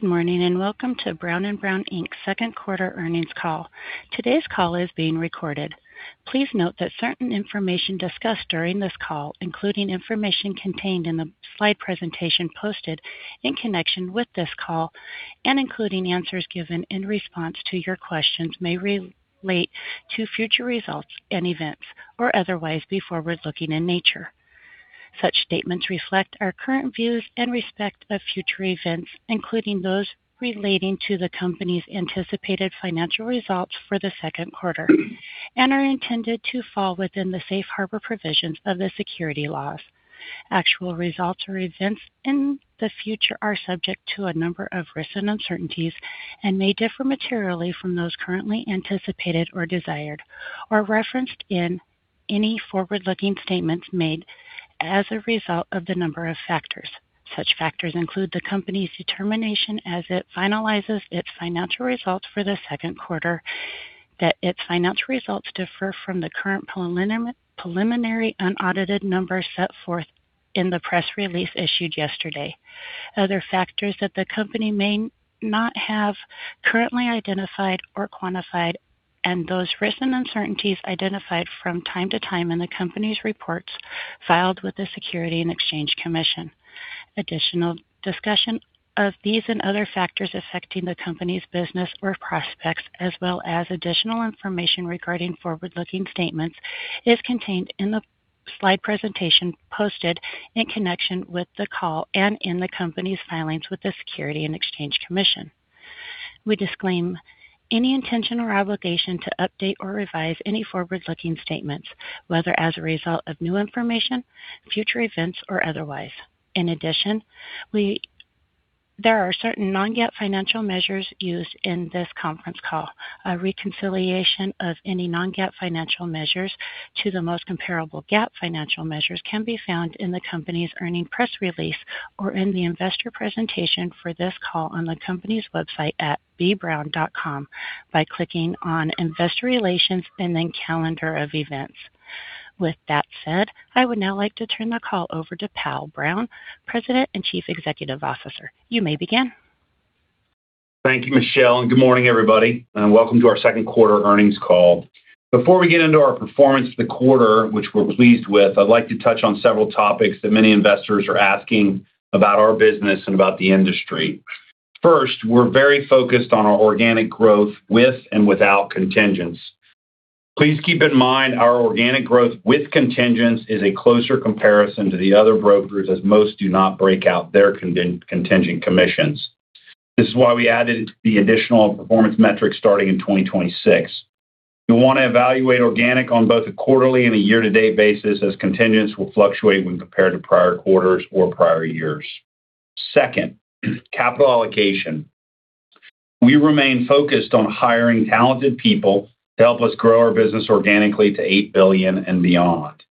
Good morning, and welcome to Brown & Brown Inc.'s second quarter earnings call. Today's call is being recorded. Please note that certain information discussed during this call, including information contained in the slide presentation posted in connection with this call and including answers given in response to your questions, may relate to future results and events or otherwise be forward-looking in nature. Such statements reflect our current views in respect of future events, including those relating to the company's anticipated financial results for the second quarter and are intended to fall within the safe harbor provisions of the securities laws. Actual results or events in the future are subject to a number of risks and uncertainties and may differ materially from those currently anticipated or desired or referenced in any forward-looking statements made as a result of the number of factors. Such factors include the company's determination as it finalizes its financial results for the second quarter that its financial results differ from the current preliminary unaudited numbers set forth in the press release issued yesterday. Other factors that the company may not have currently identified or quantified, and those risks and uncertainties identified from time to time in the company's reports filed with the Securities and Exchange Commission. Additional discussion of these and other factors affecting the company's business or prospects as well as additional information regarding forward-looking statements is contained in the slide presentation posted in connection with the call and in the company's filings with the Securities and Exchange Commission. We disclaim any intention or obligation to update or revise any forward-looking statements, whether as a result of new information, future events, or otherwise. In addition, there are certain non-GAAP financial measures used in this conference call. A reconciliation of any non-GAAP financial measures to the most comparable GAAP financial measures can be found in the company's earnings press release or in the investor presentation for this call on the company's website at bbrown.com by clicking on Investor Relations and then Calendar of Events. With that said, I would now like to turn the call over to Powell Brown, President and Chief Executive Officer. You may begin. Thank you, Michelle, and good morning, everybody, and welcome to our second quarter earnings call. Before we get into our performance for the quarter, which we're pleased with, I'd like to touch on several topics that many investors are asking about our business and about the industry. First, we're very focused on our organic growth with and without contingents. Please keep in mind our organic growth with contingents is a closer comparison to the other brokers, as most do not break out their contingent commissions. This is why we added the additional performance metrics starting in 2026. You'll want to evaluate organic on both a quarterly and a year-to-date basis, as contingents will fluctuate when compared to prior quarters or prior years. Second, capital allocation. We remain focused on hiring talented people to help us grow our business organically to $8 billion and beyond.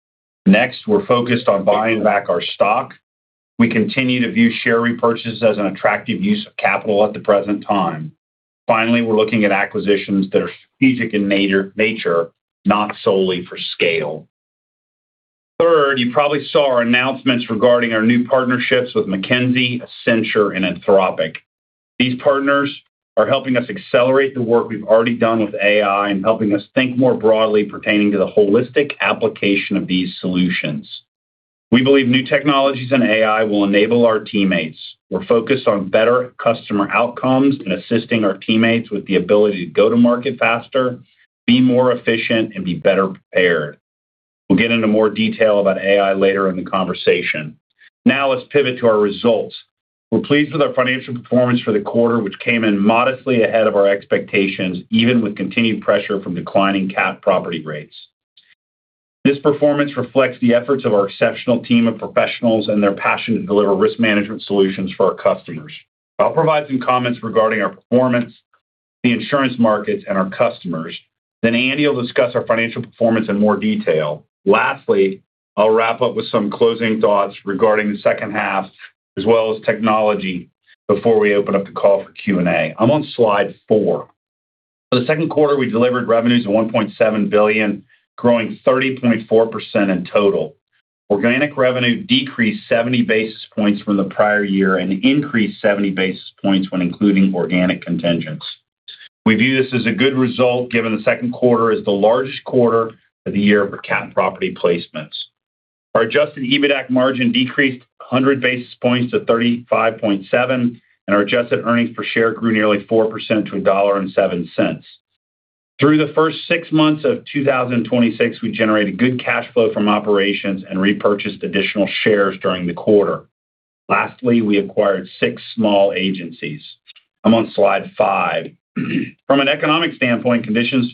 Next, we're focused on buying back our stock. We continue to view share repurchases as an attractive use of capital at the present time. Finally, we're looking at acquisitions that are strategic in nature, not solely for scale. Third, you probably saw our announcements regarding our new partnerships with McKinsey, Accenture, and Anthropic. These partners are helping us accelerate the work we've already done with AI and helping us think more broadly pertaining to the holistic application of these solutions. We believe new technologies and AI will enable our teammates. We're focused on better customer outcomes and assisting our teammates with the ability to go to market faster, be more efficient, and be better prepared. We'll get into more detail about AI later in the conversation. Now, let's pivot to our results. We're pleased with our financial performance for the quarter, which came in modestly ahead of our expectations, even with continued pressure from declining CAT property rates. This performance reflects the efforts of our exceptional team of professionals and their passion to deliver risk management solutions for our customers. I'll provide some comments regarding our performance, the insurance markets, and our customers. Andy will discuss our financial performance in more detail. Lastly, I'll wrap up with some closing thoughts regarding the second half, as well as technology before we open up the call for Q&A. I'm on slide four. For the second quarter, we delivered revenues of $1.7 billion, growing 30.4% in total. Organic revenue decreased 70 basis points from the prior year and increased 70 basis points when including organic contingents. We view this as a good result given the second quarter is the largest quarter of the year for CAT property placements. Our adjusted EBITDAC margin decreased 100 basis points to 35.7%, and our adjusted earnings per share grew nearly 4% to $1.7. Through the first six months of 2026, we generated good cash flow from operations and repurchased additional shares during the quarter. Lastly, we acquired six small agencies. I'm on slide five. From an economic standpoint, conditions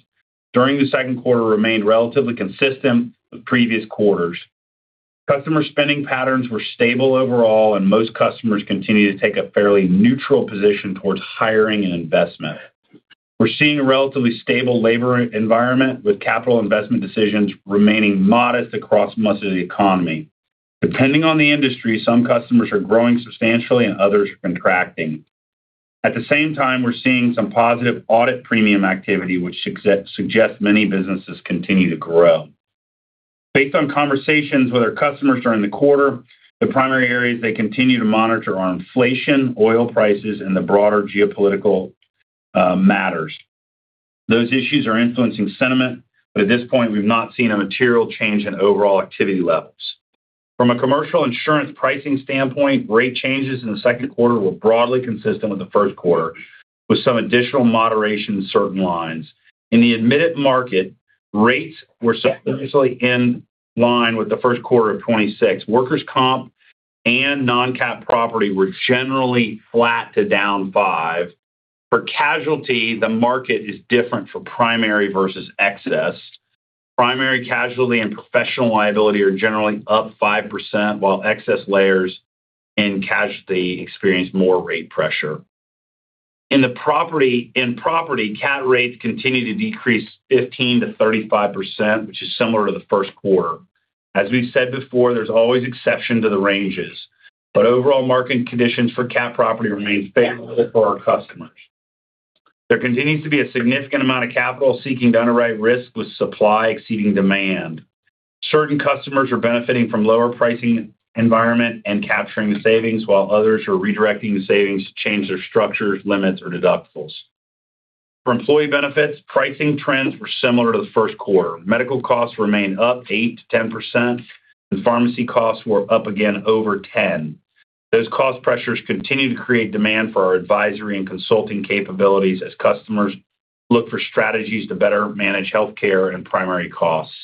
during the second quarter remained relatively consistent with previous quarters. Customer spending patterns were stable overall, and most customers continue to take a fairly neutral position towards hiring and investment. We're seeing a relatively stable labor environment, with capital investment decisions remaining modest across most of the economy. Depending on the industry, some customers are growing substantially and others are contracting. At the same time, we're seeing some positive audit premium activity, which suggests many businesses continue to grow. Based on conversations with our customers during the quarter, the primary areas they continue to monitor are inflation, oil prices, and the broader geopolitical matters. Those issues are influencing sentiment, but at this point, we've not seen a material change in overall activity levels. From a commercial insurance pricing standpoint, rate changes in the second quarter were broadly consistent with the first quarter, with some additional moderation in certain lines. In the admitted market, rates were substantially in line with the first quarter of 2026. Workers' comp and non-CAT property were generally flat to down five. For casualty, the market is different for primary versus excess. Primary casualty and professional liability are generally up 5%, while excess layers and casualty experience more rate pressure. In property, CAT rates continue to decrease 15%-35%, which is similar to the first quarter. As we've said before, there's always exception to the ranges, but overall market conditions for CAT property remains favorable for our customers. There continues to be a significant amount of capital seeking to underwrite risk with supply exceeding demand. Certain customers are benefiting from lower pricing environment and capturing the savings, while others are redirecting the savings to change their structures, limits, or deductibles. For employee benefits, pricing trends were similar to the first quarter. Medical costs remain up 8%-10%, and pharmacy costs were up again over 10%. Those cost pressures continue to create demand for our advisory and consulting capabilities as customers look for strategies to better manage healthcare and pharmacy costs.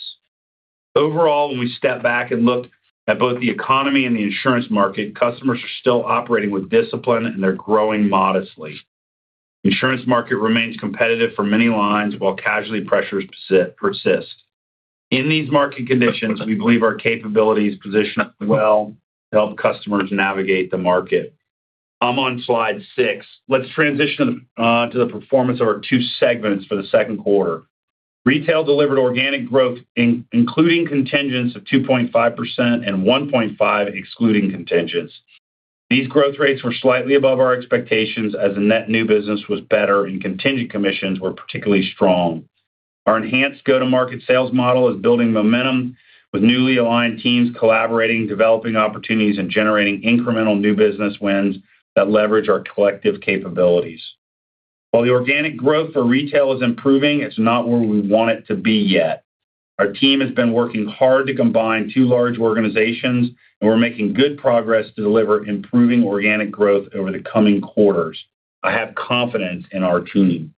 Overall, when we step back and look at both the economy and the insurance market, customers are still operating with discipline and they're growing modestly. The insurance market remains competitive for many lines while casualty pressures persist. In these market conditions, we believe our capabilities position us well to help customers navigate the market. I'm on slide six. Let's transition to the performance of our two segments for the second quarter. Retail delivered organic growth, including contingents of 2.5% and 1.5% excluding contingents. These growth rates were slightly above our expectations as the net new business was better and contingent commissions were particularly strong. Our enhanced go-to-market sales model is building momentum with newly aligned teams collaborating, developing opportunities, and generating incremental new business wins that leverage our collective capabilities. While the organic growth for retail is improving, it's not where we want it to be yet. Our team has been working hard to combine two large organizations. We're making good progress to deliver improving organic growth over the coming quarters. I have confidence in our team.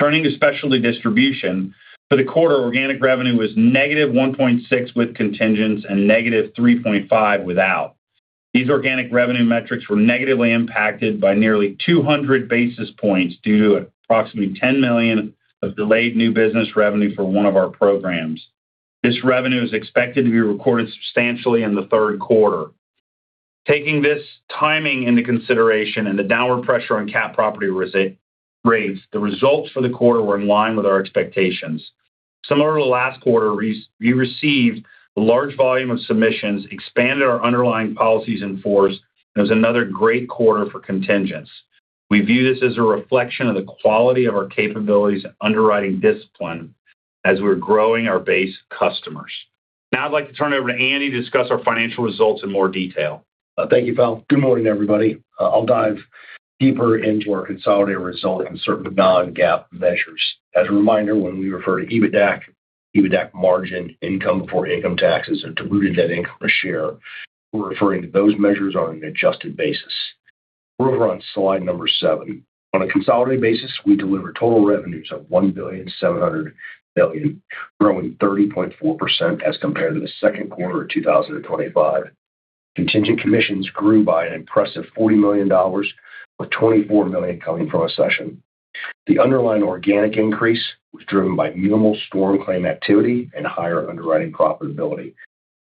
Turning to specialty distribution, for the quarter, organic revenue was -1.6% with contingents and -3.5% without. These organic revenue metrics were negatively impacted by nearly 200 basis points due to approximately $10 million of delayed new business revenue for one of our programs. This revenue is expected to be recorded substantially in the third quarter. Taking this timing into consideration and the downward pressure on CAT property rates, the results for the quarter were in line with our expectations. Similar to last quarter, we received a large volume of submissions, expanded our underlying policies in force, and it was another great quarter for contingents. We view this as a reflection of the quality of our capabilities and underwriting discipline as we're growing our base customers. Now I'd like to turn it over to Andy to discuss our financial results in more detail. Thank you, Powell. Good morning, everybody. I'll dive deeper into our consolidated results and certain non-GAAP measures. As a reminder, when we refer to EBITDAC margin, income before income taxes, and diluted net income per share, we're referring to those measures on an adjusted basis. We're over on slide seven. On a consolidated basis, we delivered total revenues of $1.7 billion, growing 30.4% as compared to the second quarter of 2025. Contingent commissions grew by an impressive $40 million, with $24 million coming from Accession. The underlying organic increase was driven by minimal storm claim activity and higher underwriting profitability,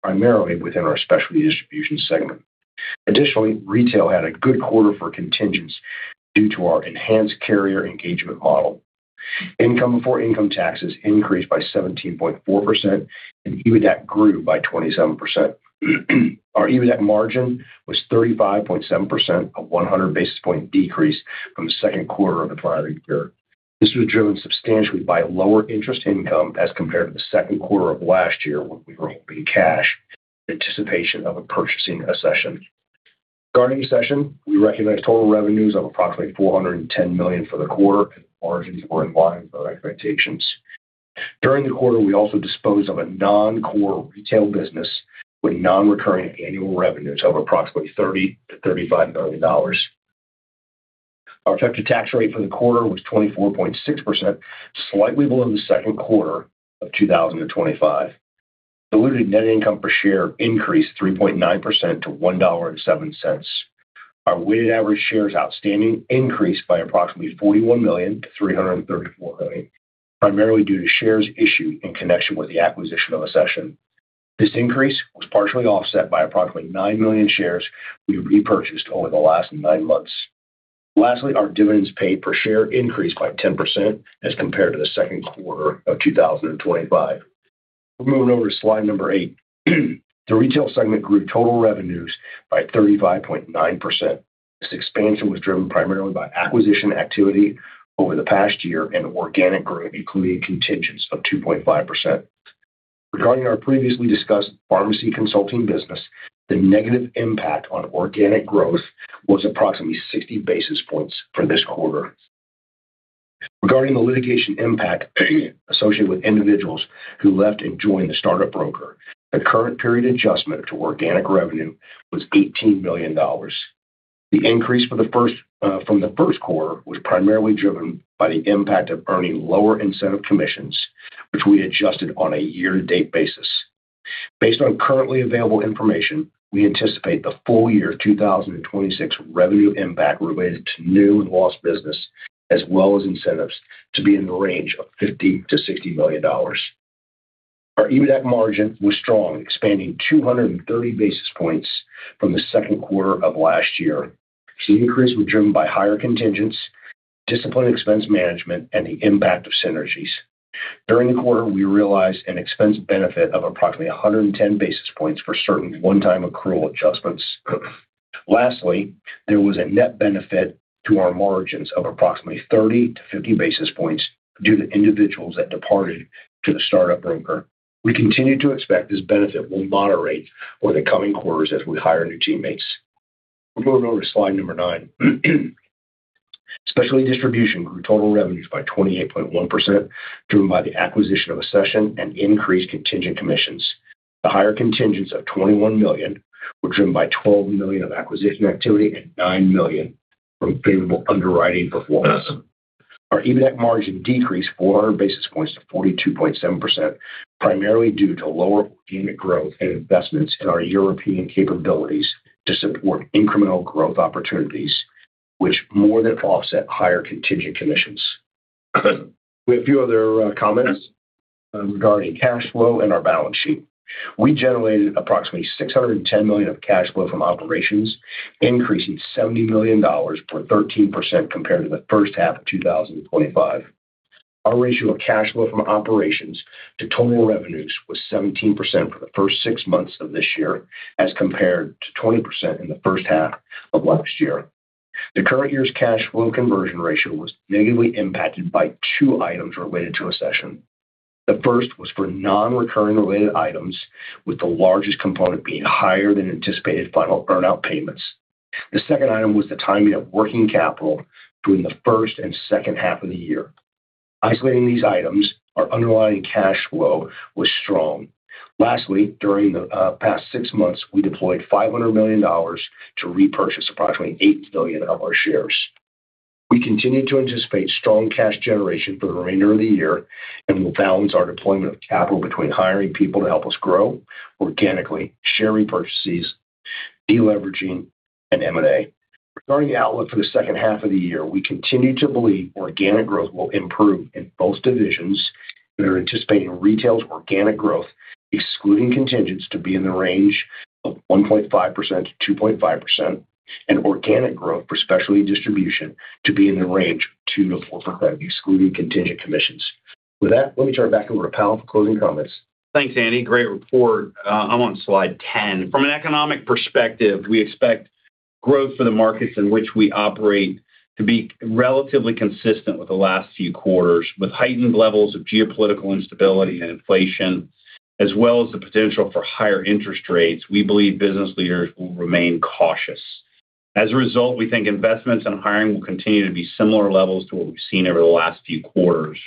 primarily within our Specialty Distribution segment. Additionally, Retail had a good quarter for contingents due to our enhanced carrier engagement model. Income before income taxes increased by 17.4%. EBITDAC grew by 27%. Our EBITDAC margin was 35.7%, a 100 basis point decrease from the second quarter of the prior year. This was driven substantially by lower interest income as compared to the second quarter of last year when we were holding cash in anticipation of purchasing Accession. Regarding Accession, we recognized total revenues of approximately $410 million for the quarter. Margins were in line with our expectations. During the quarter, we also disposed of a non-core Retail business with non-recurring annual revenues of approximately $30 million-$35 million. Our effective tax rate for the quarter was 24.6%, slightly below the second quarter of 2025. Diluted net income per share increased 3.9% to $1.07. Our weighted average shares outstanding increased by approximately 41 million to 334 million, primarily due to shares issued in connection with the acquisition of Accession. This increase was partially offset by approximately 9 million shares we repurchased over the last nine months. Lastly, our dividends paid per share increased by 10% as compared to the second quarter of 2025. Moving over to slide eight. The Retail segment grew total revenues by 35.9%. This expansion was driven primarily by acquisition activity over the past year. Organic growth, including contingents, of 2.5%. Regarding our previously discussed pharmacy consulting business, the negative impact on organic growth was approximately 60 basis points for this quarter. Regarding the litigation impact associated with individuals who left and joined the startup broker, the current period adjustment to organic revenue was $18 million. The increase from the first quarter was primarily driven by the impact of earning lower incentive commissions, which we adjusted on a year-to-date basis. Based on currently available information, we anticipate the full year 2026 revenue impact related to new and lost business, as well as incentives, to be in the range of $50 million-$60 million. Our EBITDAC margin was strong, expanding 230 basis points from the second quarter of last year. This increase was driven by higher contingents, disciplined expense management, and the impact of synergies. During the quarter, we realized an expense benefit of approximately 110 basis points for certain one-time accrual adjustments. Lastly, there was a net benefit to our margins of approximately 30-50 basis points due to individuals that departed to the startup broker. We continue to expect this benefit will moderate over the coming quarters as we hire new teammates. We're moving over to slide nine. Specialty Distribution grew total revenues by 28.1%, driven by the acquisition of Accession and increased contingent commissions. The higher contingents of $21 million were driven by $12 million of acquisition activity and $9 million from favorable underwriting performance. Our EBITAC margin decreased 400 basis points to 42.7%, primarily due to lower organic growth and investments in our European capabilities to support incremental growth opportunities, which more than offset higher contingent commissions. We have a few other comments regarding cash flow and our balance sheet. We generated approximately $610 million of cash flow from operations, increasing $70 million or 13% compared to the first half of 2025. Our ratio of cash flow from operations to total revenues was 17% for the first six months of this year as compared to 20% in the first half of last year. The current year's cash flow conversion ratio was negatively impacted by two items related to Accession. The first was for non-recurring related items, with the largest component being higher than anticipated final earn-out payments. The second item was the timing of working capital between the first and second half of the year. Isolating these items, our underlying cash flow was strong. Lastly, during the past six months, we deployed $500 million to repurchase approximately 8 million of our shares. We continue to anticipate strong cash generation for the remainder of the year and will balance our deployment of capital between hiring people to help us grow organically, share repurchases, de-leveraging, and M&A. Regarding the outlook for the second half of the year, we continue to believe organic growth will improve in both divisions. We are anticipating retail's organic growth, excluding contingents, to be in the range of 1.5%-2.5%, and organic growth for specialty distribution to be in the range of 2%-4%, excluding contingent commissions. With that, let me turn it back over to Powell for closing comments. Thanks, Andy. Great report. I'm on slide 10. From an economic perspective, we expect growth for the markets in which we operate to be relatively consistent with the last few quarters. With heightened levels of geopolitical instability and inflation, as well as the potential for higher interest rates, we believe business leaders will remain cautious. As a result, we think investments and hiring will continue to be similar levels to what we've seen over the last few quarters.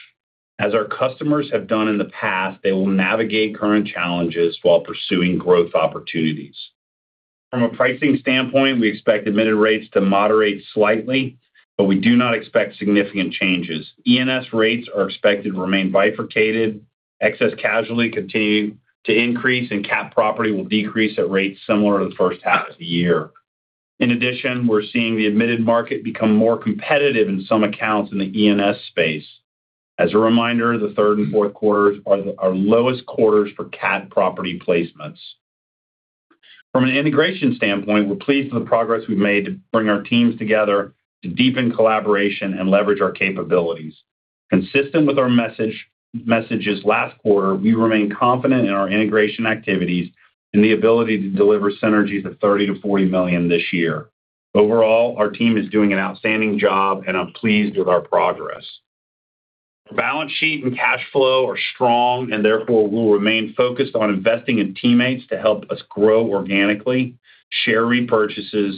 As our customers have done in the past, they will navigate current challenges while pursuing growth opportunities. From a pricing standpoint, we expect admitted rates to moderate slightly, we do not expect significant changes. E&S rates are expected to remain bifurcated, excess casualty continue to increase, CAT property will decrease at rates similar to the first half of the year. In addition, we're seeing the admitted market become more competitive in some accounts in the E&S space. As a reminder, the third and fourth quarters are our lowest quarters for CAT property placements. From an integration standpoint, we're pleased with the progress we've made to bring our teams together to deepen collaboration and leverage our capabilities. Consistent with our messages last quarter, we remain confident in our integration activities and the ability to deliver synergies of $30 million-$40 million this year. Overall, our team is doing an outstanding job, and I'm pleased with our progress. Balance sheet and cash flow are strong, and therefore, we'll remain focused on investing in teammates to help us grow organically, share repurchases,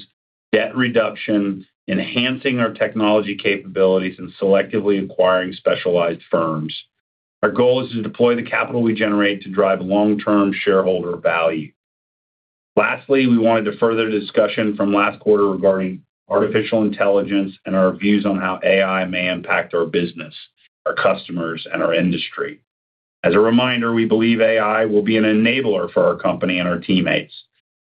debt reduction, enhancing our technology capabilities, and selectively acquiring specialized firms. Our goal is to deploy the capital we generate to drive long-term shareholder value. Lastly, we wanted to further discussion from last quarter regarding artificial intelligence and our views on how AI may impact our business, our customers, and our industry. As a reminder, we believe AI will be an enabler for our company and our teammates.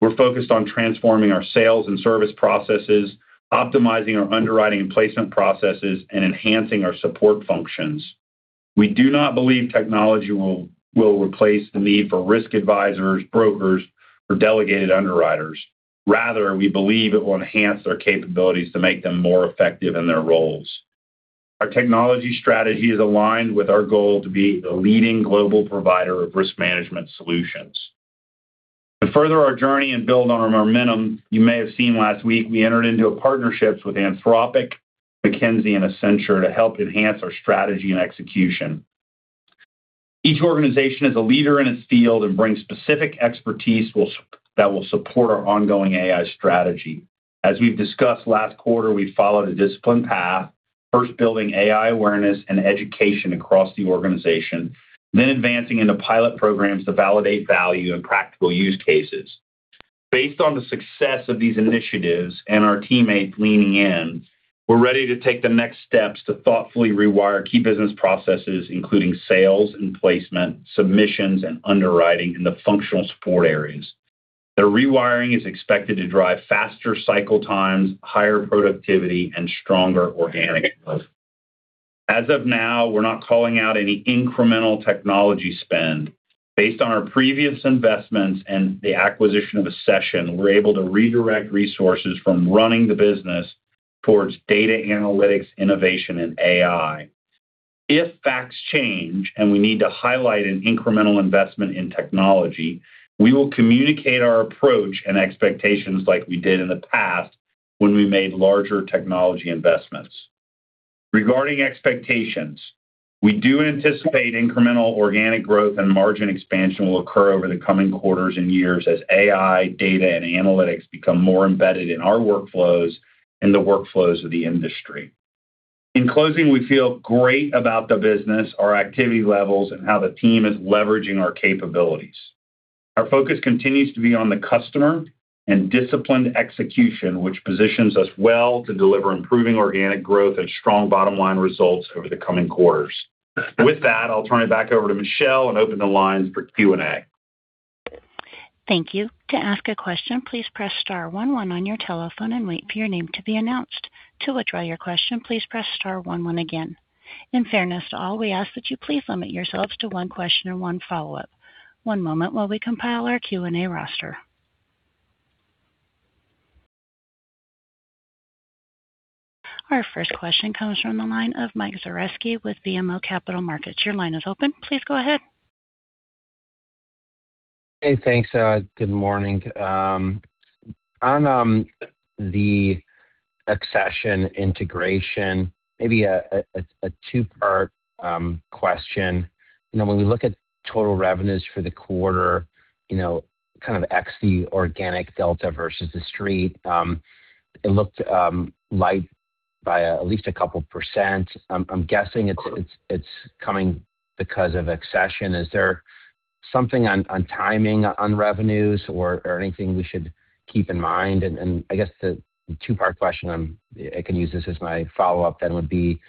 We're focused on transforming our sales and service processes, optimizing our underwriting and placement processes, and enhancing our support functions. We do not believe technology will replace the need for risk advisors, brokers, or delegated underwriters. Rather, we believe it will enhance their capabilities to make them more effective in their roles. Our technology strategy is aligned with our goal to be the leading global provider of risk management solutions. To further our journey and build on our momentum, you may have seen last week, we entered into a partnerships with Anthropic, McKinsey, and Accenture to help enhance our strategy and execution. Each organization is a leader in its field and brings specific expertise that will support our ongoing AI strategy. As we've discussed last quarter, we followed a disciplined path, first building AI awareness and education across the organization, then advancing into pilot programs to validate value and practical use cases. Based on the success of these initiatives and our teammates leaning in, we're ready to take the next steps to thoughtfully rewire key business processes, including sales and placement, submissions, and underwriting in the functional support areas. The rewiring is expected to drive faster cycle times, higher productivity, and stronger organic growth. As of now, we're not calling out any incremental technology spend. Based on our previous investments and the acquisition of Accession, we're able to redirect resources from running the business towards data analytics, innovation, and AI. If facts change and we need to highlight an incremental investment in technology, we will communicate our approach and expectations like we did in the past when we made larger technology investments. Regarding expectations, we do anticipate incremental organic growth and margin expansion will occur over the coming quarters and years as AI, data, and analytics become more embedded in our workflows and the workflows of the industry. In closing, we feel great about the business, our activity levels, and how the team is leveraging our capabilities. Our focus continues to be on the customer and disciplined execution, which positions us well to deliver improving organic growth and strong bottom-line results over the coming quarters. With that, I'll turn it back over to Michelle and open the lines for Q&A. Thank you. To ask a question, please press star one one on your telephone and wait for your name to be announced. To withdraw your question, please press star one one again. In fairness to all, we ask that you please limit yourselves to one question and one follow-up. One moment while we compile our Q&A roster. Our first question comes from the line of Mike Zaremski with BMO Capital Markets. Your line is open. Please go ahead. Hey, thanks. Good morning. On the Accession integration, maybe a two-part question. When we look at total revenues for the quarter, kind of ex the organic delta versus the Street, it looked light by at least a couple percent. I'm guessing it's coming because of Accession. Is there something on timing on revenues or anything we should keep in mind? I guess the two-part question, I can use this as my follow-up would be,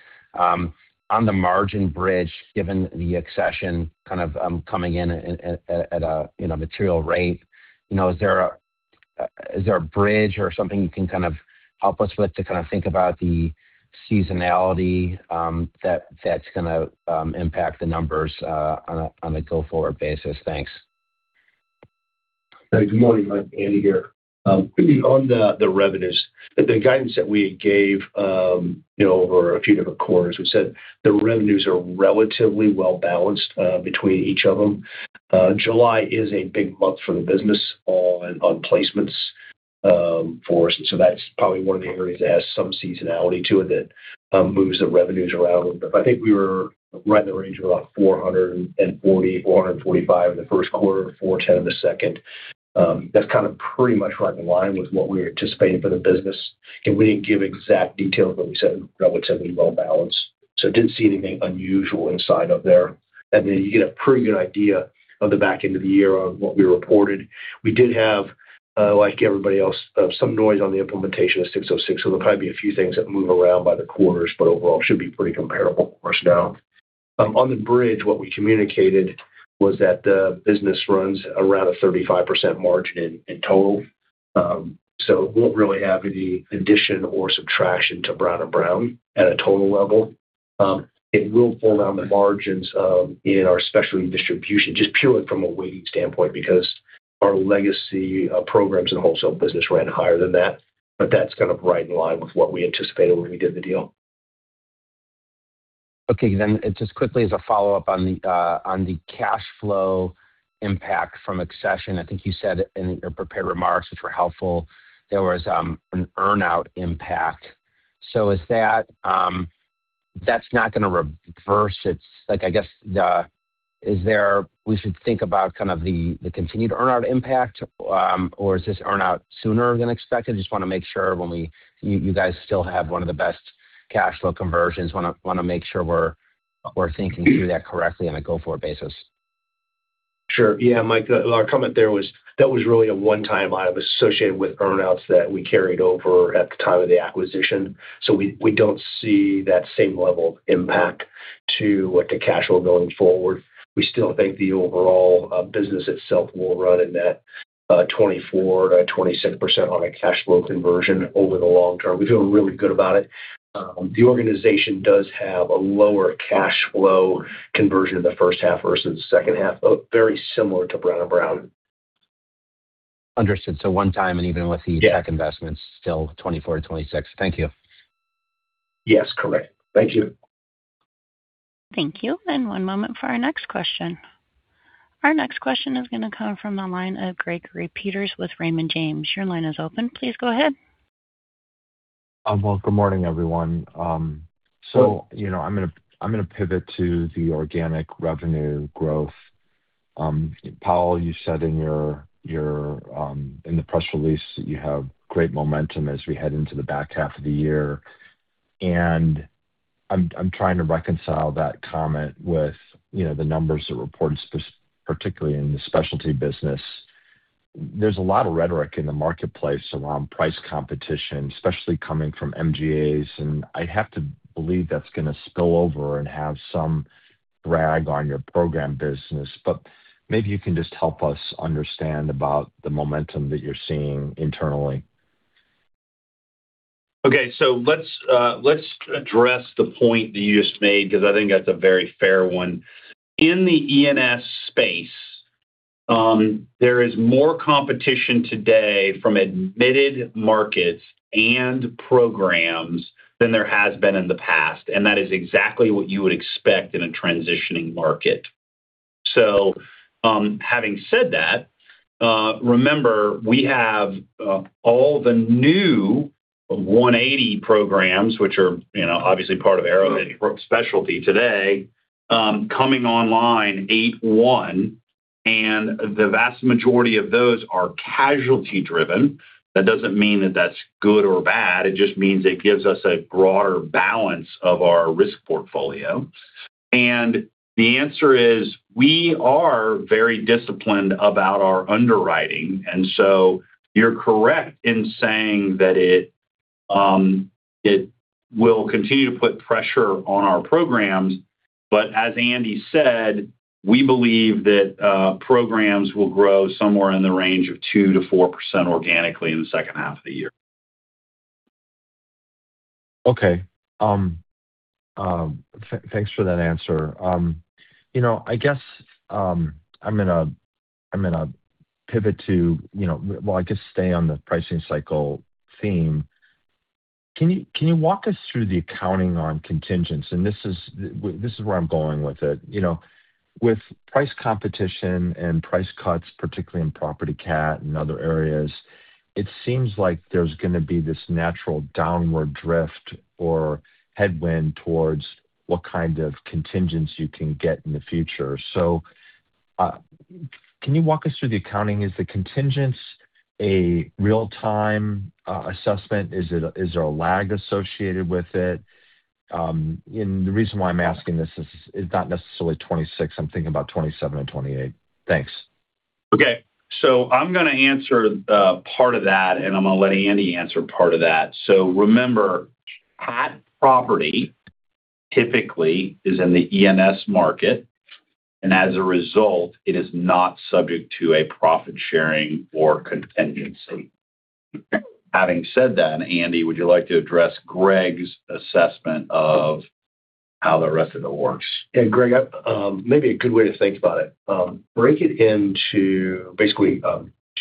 on the margin bridge, given the Accession kind of coming in at a material rate, is there a bridge or something you can kind of help us with to kind of think about the seasonality that's going to impact the numbers on a go-forward basis? Thanks. Good morning, Mike. Andy here. On the revenues, the guidance that we gave over a few different quarters, we said the revenues are relatively well-balanced between each of them. July is a big month for the business on placements for us, that's probably one of the areas that has some seasonality to it that moves the revenues around a little bit. I think we were right in the range of about $440, $445 in the first quarter, $410 in the second. That's kind of pretty much right in line with what we were anticipating for the business. We didn't give exact details, but we said relatively well-balanced. Didn't see anything unusual inside of there. You get a pretty good idea of the back end of the year on what we reported. We did have, like everybody else, some noise on the implementation of 606, there'll probably be a few things that move around by the quarters, but overall, should be pretty comparable for us now. On the bridge, what we communicated was that the business runs around a 35% margin in total. It won't really have any addition or subtraction to Brown & Brown at a total level. It will pull down the margins in our specialty distribution, just purely from a weighting standpoint, because our legacy programs and wholesale business ran higher than that. That's kind of right in line with what we anticipated when we did the deal. Okay, just quickly as a follow-up on the cash flow impact from Accession. I think you said in your prepared remarks, which were helpful, there was an earn-out impact. That's not going to reverse? I guess we should think about kind of the continued earn-out impact? Or is this earn-out sooner than expected? Just want to make sure when we You guys still have one of the best cash flow conversions. Want to make sure we're thinking through that correctly on a go-forward basis. Sure. Yeah, Mike. Our comment there was that was really a one-time item associated with earn-outs that we carried over at the time of the acquisition. We don't see that same level of impact to cash flow going forward. We still think the overall business itself will run a net 24%-27% on a cash flow conversion over the long term. We feel really good about it. The organization does have a lower cash flow conversion in the first half versus the second half, very similar to Brown & Brown. Understood. One time. Yeah tech investments, still 24%-26%. Thank you. Yes, correct. Thank you. Thank you, one moment for our next question. Our next question is going to come from the line of Gregory Peters with Raymond James. Your line is open. Please go ahead. Well, good morning, everyone. I'm going to pivot to the organic revenue growth. Powell, you said in the press release that you have great momentum as we head into the back half of the year, I'm trying to reconcile that comment with the numbers that were reported, particularly in the specialty business. There's a lot of rhetoric in the marketplace around price competition, especially coming from MGAs, I have to believe that's going to spill over and have some drag on your program business. Maybe you can just help us understand about the momentum that you're seeing internally. Okay. Let's address the point that you just made, because I think that's a very fair one. In the E&S space, there is more competition today from admitted markets and programs than there has been in the past, that is exactly what you would expect in a transitioning market. Having said that, remember we have all the new one eighty programs, which are obviously part of Arrowhead Specialty today, coming online eight-one, the vast majority of those are casualty driven. That doesn't mean that that's good or bad. It just means it gives us a broader balance of our risk portfolio. The answer is, we are very disciplined about our underwriting, you're correct in saying that it will continue to put pressure on our programs. As Andy said, we believe that programs will grow somewhere in the range of 2%-4% organically in the second half of the year. Okay. Thanks for that answer. I guess I'm going to pivot to Well, I guess stay on the pricing cycle theme. Can you walk us through the accounting on contingents? This is where I'm going with it. With price competition and price cuts, particularly in property CAT and other areas, it seems like there's going to be this natural downward drift or headwind towards what kind of contingents you can get in the future. Can you walk us through the accounting? Is the contingents a real-time assessment? Is there a lag associated with it? The reason why I'm asking this is not necessarily 2026. I'm thinking about 2027 and 2028. Thanks. Okay. I'm going to answer part of that, and I'm going to let Andy answer part of that. Remember, CAT property typically is in the E&S market, and as a result, it is not subject to a profit sharing or contingency. Having said that, Andy, would you like to address Greg's assessment of how the rest of it works? Yeah, Greg, maybe a good way to think about it, break it into basically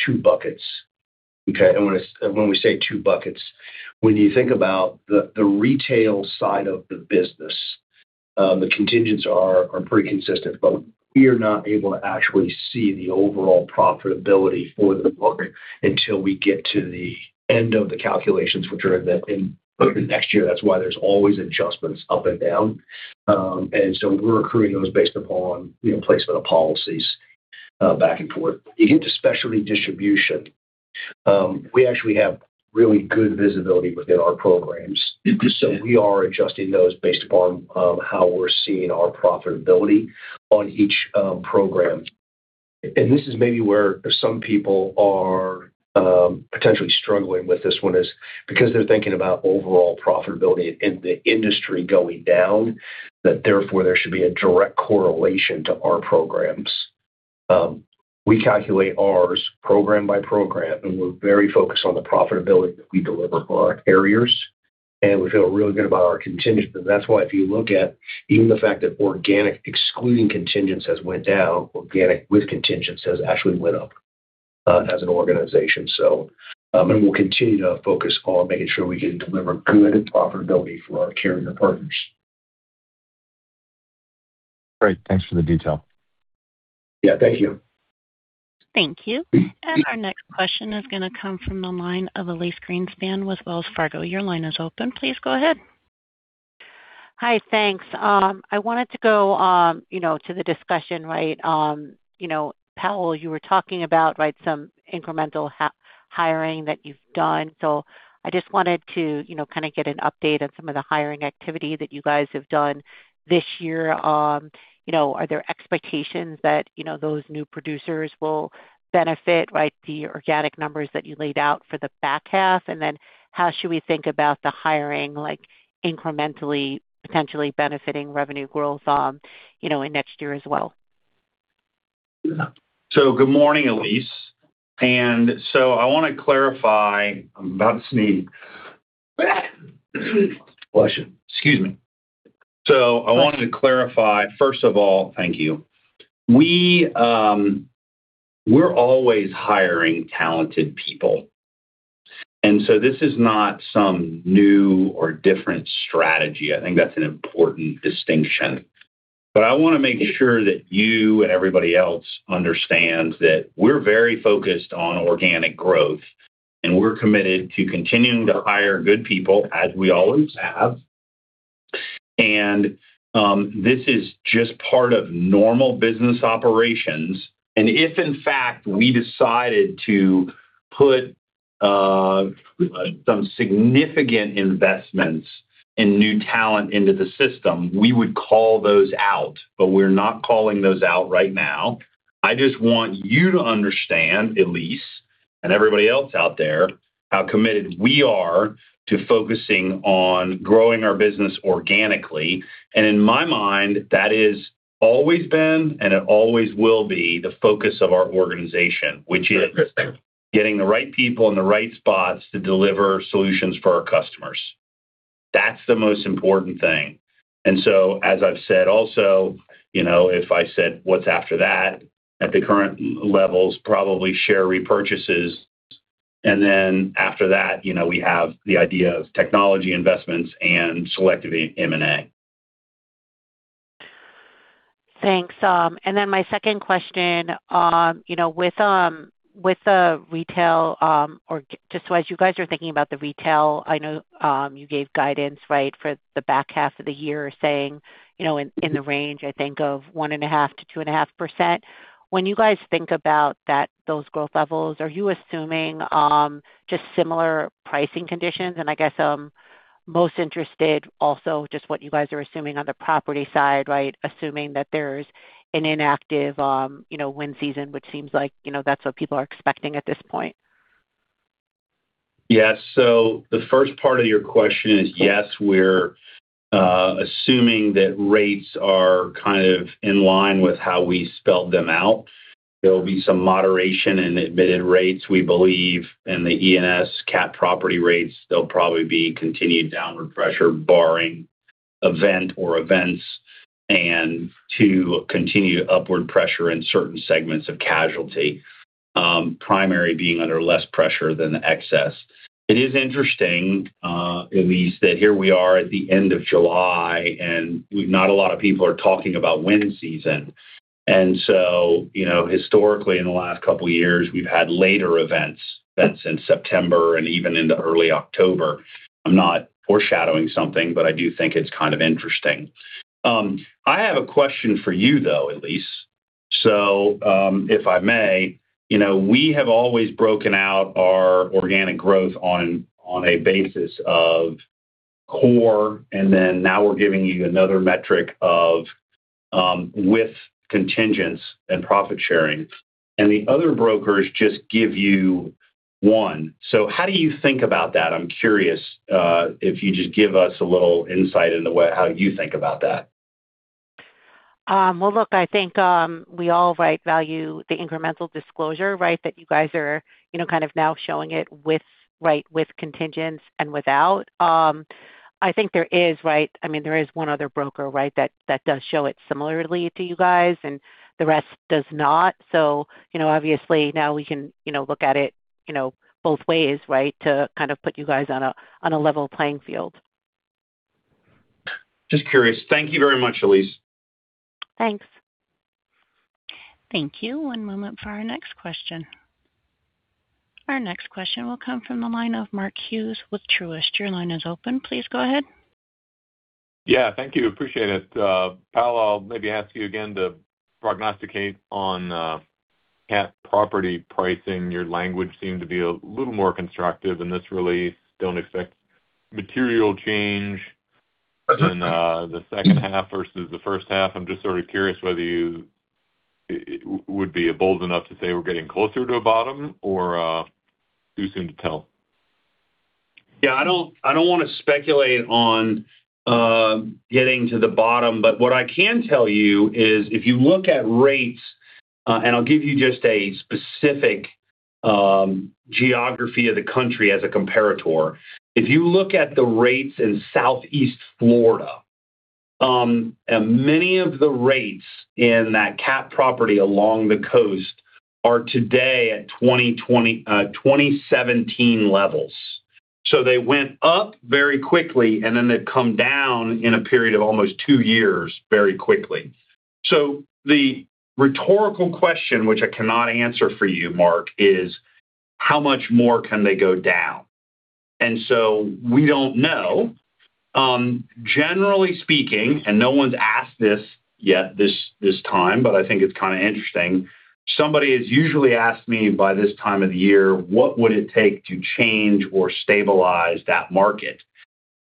two buckets. Okay? When we say two buckets, when you think about the retail side of the business, the contingents are pretty consistent, but we are not able to actually see the overall profitability for the book until we get to the end of the calculations, which are in next year. That's why there's always adjustments up and down. We're accruing those based upon placement of policies back and forth. You get to specialty distribution, we actually have really good visibility within our programs, so we are adjusting those based upon how we're seeing our profitability on each program. This is maybe where some people are potentially struggling with this one is because they're thinking about overall profitability in the industry going down, that therefore there should be a direct correlation to our programs. We calculate ours program by program, and we're very focused on the profitability that we deliver for our carriers, and we feel really good about our contingents. That's why if you look at even the fact that organic excluding contingents has went down, organic with contingents has actually went up as an organization. We'll continue to focus on making sure we can deliver good profitability for our carrier partners. Great. Thanks for the detail. Yeah. Thank you. Thank you. Our next question is going to come from the line of Elyse Greenspan with Wells Fargo. Your line is open. Please go ahead. Hi. Thanks. I wanted to go to the discussion. Powell, you were talking about some incremental hiring that you've done. I just wanted to kind of get an update on some of the hiring activity that you guys have done this year. Are there expectations that those new producers will benefit the organic numbers that you laid out for the back half? How should we think about the hiring, like incrementally potentially benefiting revenue growth in next year as well? Good morning, Elyse. I want to clarify. I'm about to sneeze. Bless you. Excuse me. I wanted to clarify, first of all, thank you. We're always hiring talented people, and so this is not some new or different strategy. I think that's an important distinction. I want to make sure that you and everybody else understands that we're very focused on organic growth, and we're committed to continuing to hire good people, as we always have. This is just part of normal business operations. If in fact we decided to put some significant investments and new talent into the system, we would call those out. We're not calling those out right now. I just want you to understand, Elyse, and everybody else out there, how committed we are to focusing on growing our business organically. In my mind, that has always been and it always will be the focus of our organization, which is getting the right people in the right spots to deliver solutions for our customers. That's the most important thing. As I've said, also if I said what's after that, at the current levels, probably share repurchases. After that, we have the idea of technology investments and selective M&A. Thanks. My second question. As you guys are thinking about the retail, I know you gave guidance for the back half of the year saying in the range, I think of 1.5%-2.5%. When you guys think about those growth levels, are you assuming just similar pricing conditions? I guess I'm most interested also just what you guys are assuming on the property side? Assuming that there's an inactive wind season, which seems like that's what people are expecting at this point. Yeah. The first part of your question is, yes, we're assuming that rates are kind of in line with how we spelled them out. There'll be some moderation in admitted rates, we believe. In the E&S CAT property rates, there'll probably be continued downward pressure barring event or events, and to continue upward pressure in certain segments of casualty, primary being under less pressure than the excess. It is interesting, Elyse, that here we are at the end of July, and not a lot of people are talking about wind season. Historically, in the last couple of years, we've had later events that's in September and even into early October. I'm not foreshadowing something, but I do think it's kind of interesting. I have a question for you, though, Elyse. If I may. We have always broken out our organic growth on a basis of core, and then now we're giving you another metric of with contingents and profit sharing. The other brokers just give you one. How do you think about that? I'm curious if you just give us a little insight into how you think about that. Well, look, I think we all value the incremental disclosure, right? That you guys are kind of now showing it with contingents and without. I think there is one other broker that does show it similarly to you guys, and the rest does not. Obviously now we can look at it both ways to kind of put you guys on a level playing field. Just curious. Thank you very much, Elyse. Thanks. Thank you. One moment for our next question. Our next question will come from the line of Mark Hughes with Truist. Your line is open. Please go ahead. Yeah, thank you. Appreciate it. Powell, I'll maybe ask you again to prognosticate on CAT property pricing. Your language seemed to be a little more constructive in this release. Don't expect material change in the second half versus the first half. I'm just sort of curious whether you would be bold enough to say we're getting closer to a bottom or too soon to tell? Yeah, I don't want to speculate on getting to the bottom, what I can tell you is if you look at rates, and I'll give you just a specific geography of the country as a comparator. If you look at the rates in Southeast Florida, many of the rates in that CAT property along the coast are today at 2017 levels. They went up very quickly, and then they've come down in a period of almost two years very quickly. The rhetorical question, which I cannot answer for you, Mark, is how much more can they go down? We don't know. Generally speaking, no one's asked this yet this time, but I think it's kind of interesting. Somebody has usually asked me by this time of the year, what would it take to change or stabilize that market?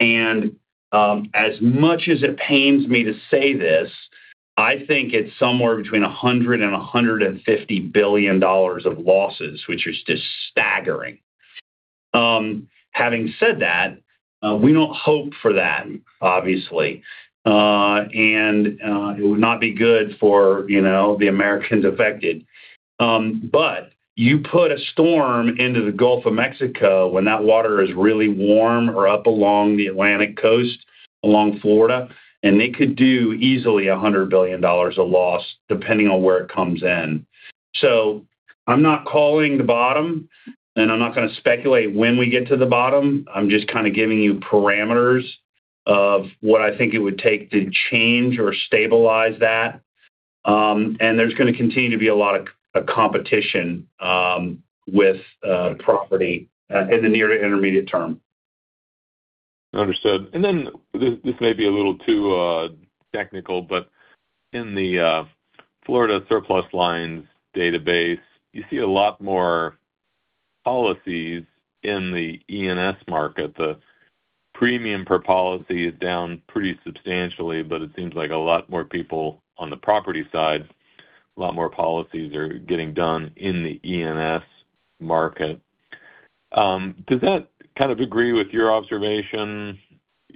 As much as it pains me to say this, I think it's somewhere between $100 billion and $150 billion of losses, which is just staggering. Having said that, we don't hope for that, obviously. it would not be good for the Americans affected. You put a storm into the Gulf of Mexico when that water is really warm or up along the Atlantic coast along Florida, and they could do easily $100 billion of loss depending on where it comes in. I'm not calling the bottom, and I'm not going to speculate when we get to the bottom. I'm just kind of giving you parameters of what I think it would take to change or stabilize that. There's going to continue to be a lot of competition with property in the near to intermediate term. Understood. This may be a little too technical, but in the Florida Surplus Lines database, you see a lot more policies in the E&S market. The premium per policy is down pretty substantially, but it seems like a lot more people on the property side, a lot more policies are getting done in the E&S market. Does that kind of agree with your observation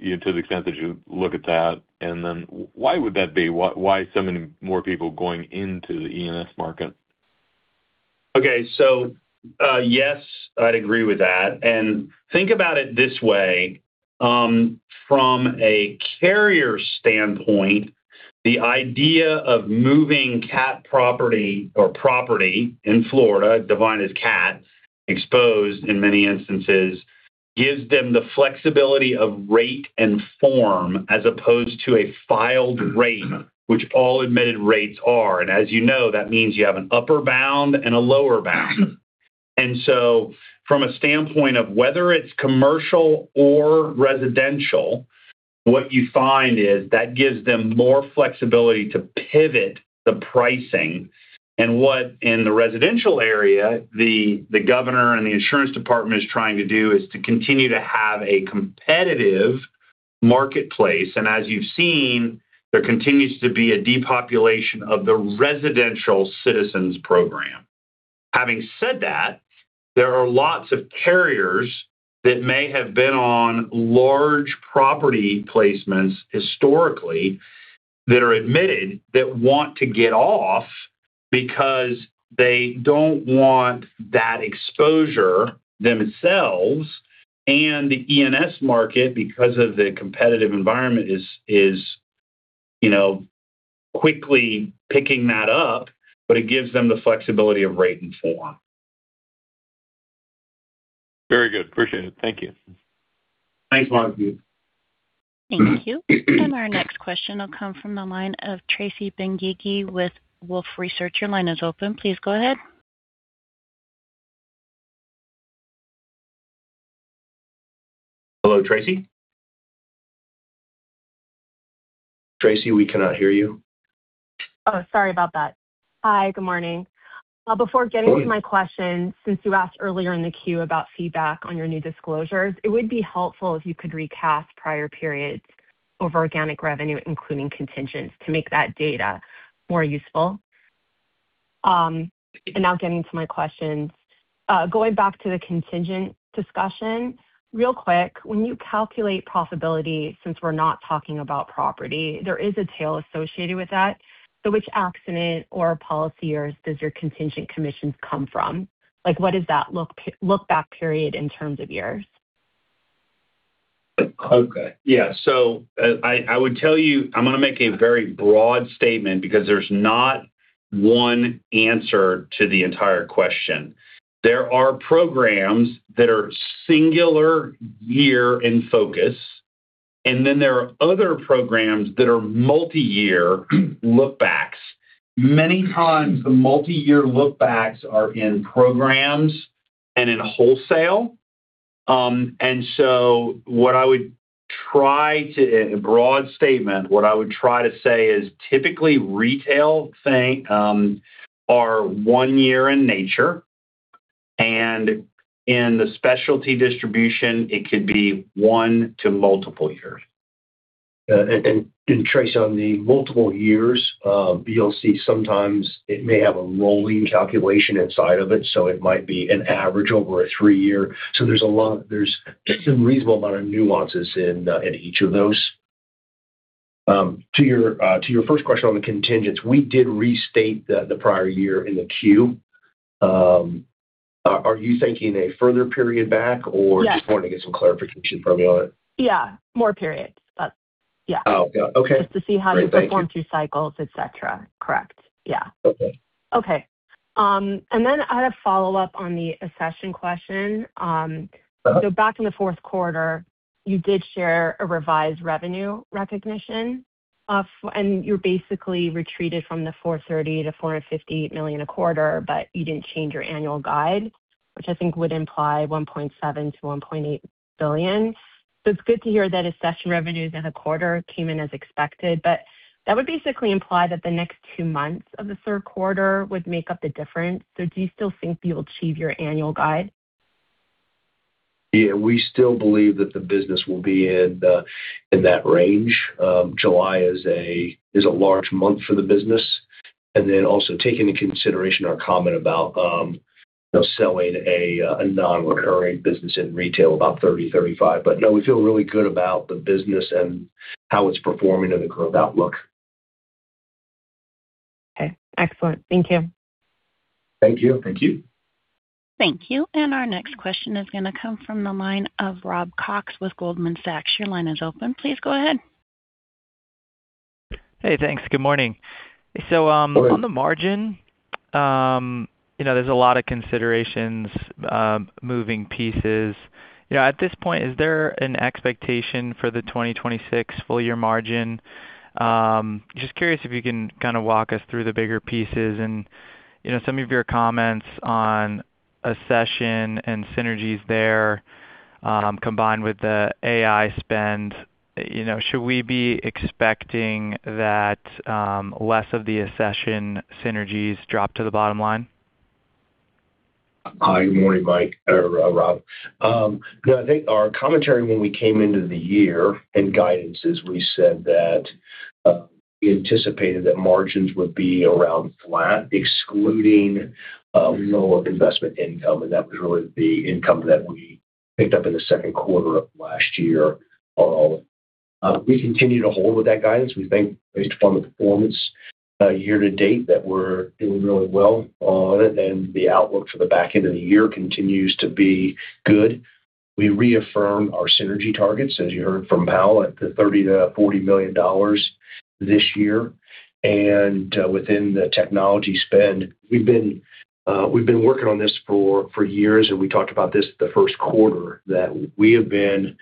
to the extent that you look at that? Why would that be? Why so many more people going into the E&S market? Okay. Yes, I'd agree with that. Think about it this way, from a carrier standpoint, the idea of moving CAT property or property in Florida defined as CAT exposed in many instances gives them the flexibility of rate and form as opposed to a filed rate, which all admitted rates are. As you know, that means you have an upper bound and a lower bound. From a standpoint of whether it's commercial or residential, what you find is that gives them more flexibility to pivot the pricing. What, in the residential area, the governor and the insurance department is trying to do is to continue to have a competitive marketplace. As you've seen, there continues to be a depopulation of the residential Citizens program. Having said that, there are lots of carriers that may have been on large property placements historically that are admitted that want to get off because they don't want that exposure themselves. The E&S market, because of the competitive environment, is quickly picking that up, but it gives them the flexibility of rate and form. Very good. Appreciate it. Thank you. Thanks, Mark. Thank you. Our next question will come from the line of Tracy Benguigui with Wolfe Research. Your line is open. Please go ahead. Hello, Tracy? Tracy, we cannot hear you. Sorry about that. Hi, good morning. Before getting to my question, since you asked earlier in the queue about feedback on your new disclosures, it would be helpful if you could recast prior periods over organic revenue, including contingents, to make that data more useful. Now getting to my questions. Going back to the contingent discussion real quick, when you calculate profitability, since we're not talking about property, there is a tail associated with that. Which accident or policy years does your contingent commissions come from? What does that look back period in terms of years? Okay. Yeah. I would tell you, I'm going to make a very broad statement because there's not one answer to the entire question. There are programs that are singular year in focus, then there are other programs that are multi-year look backs. Many times the multi-year look backs are in programs and in wholesale. What I would try to say is typically retail are one year in nature, and in the specialty distribution, it could be one to multiple years. Tracy, on the multiple years, you'll see sometimes it may have a rolling calculation inside of it, so it might be an average over a three-year. There's some reasonable amount of nuances in each of those. To your first question on the contingents, we did restate the prior year in the Q. Are you thinking a further period back or? Yes Just wanting to get some clarification from me on it? Yeah, more periods. Yeah. Oh, got it. Okay. Just to see how you-. Great. Thank you. performed through cycles, et cetera. Correct. Yeah. Okay. Okay. I had a follow-up on the Accession question. Back in the fourth quarter, you did share a revised revenue recognition, you basically retreated from the $430 million-$458 million a quarter, you didn't change your annual guide, which I think would imply $1.7 billion-$1.8 billion. It's good to hear that Accession revenues in the quarter came in as expected, that would basically imply that the next two months of the third quarter would make up the difference. Do you still think you'll achieve your annual guide? Yeah. We still believe that the business will be in that range. July is a large month for the business. Also take into consideration our comment about selling a non-recurring business in retail about $30, $35. No, we feel really good about the business and how it's performing and the growth outlook. Okay. Excellent. Thank you. Thank you. Thank you. Thank you. Our next question is going to come from the line of Rob Cox with Goldman Sachs. Your line is open. Please go ahead. Hey, thanks. Good morning. Good morning. On the margin, there's a lot of considerations, moving pieces. At this point, is there an expectation for the 2026 full year margin? Just curious if you can kind of walk us through the bigger pieces and some of your comments on Accession and synergies there, combined with the AI spend. Should we be expecting that less of the Accession synergies drop to the bottom line? Good morning, Mike or Rob. I think our commentary when we came into the year and guidances, we said that we anticipated that margins would be around flat, excluding lower investment income, and that was really the income that we picked up in the second quarter of last year. We continue to hold with that guidance. We think based upon the performance year to date, that we're doing really well on it and the outlook for the back end of the year continues to be good. We reaffirmed our synergy targets, as you heard from Powell, at the $30 million-$40 million this year. Within the technology spend, we've been working on this for years, and we talked about this the first quarter, that we have been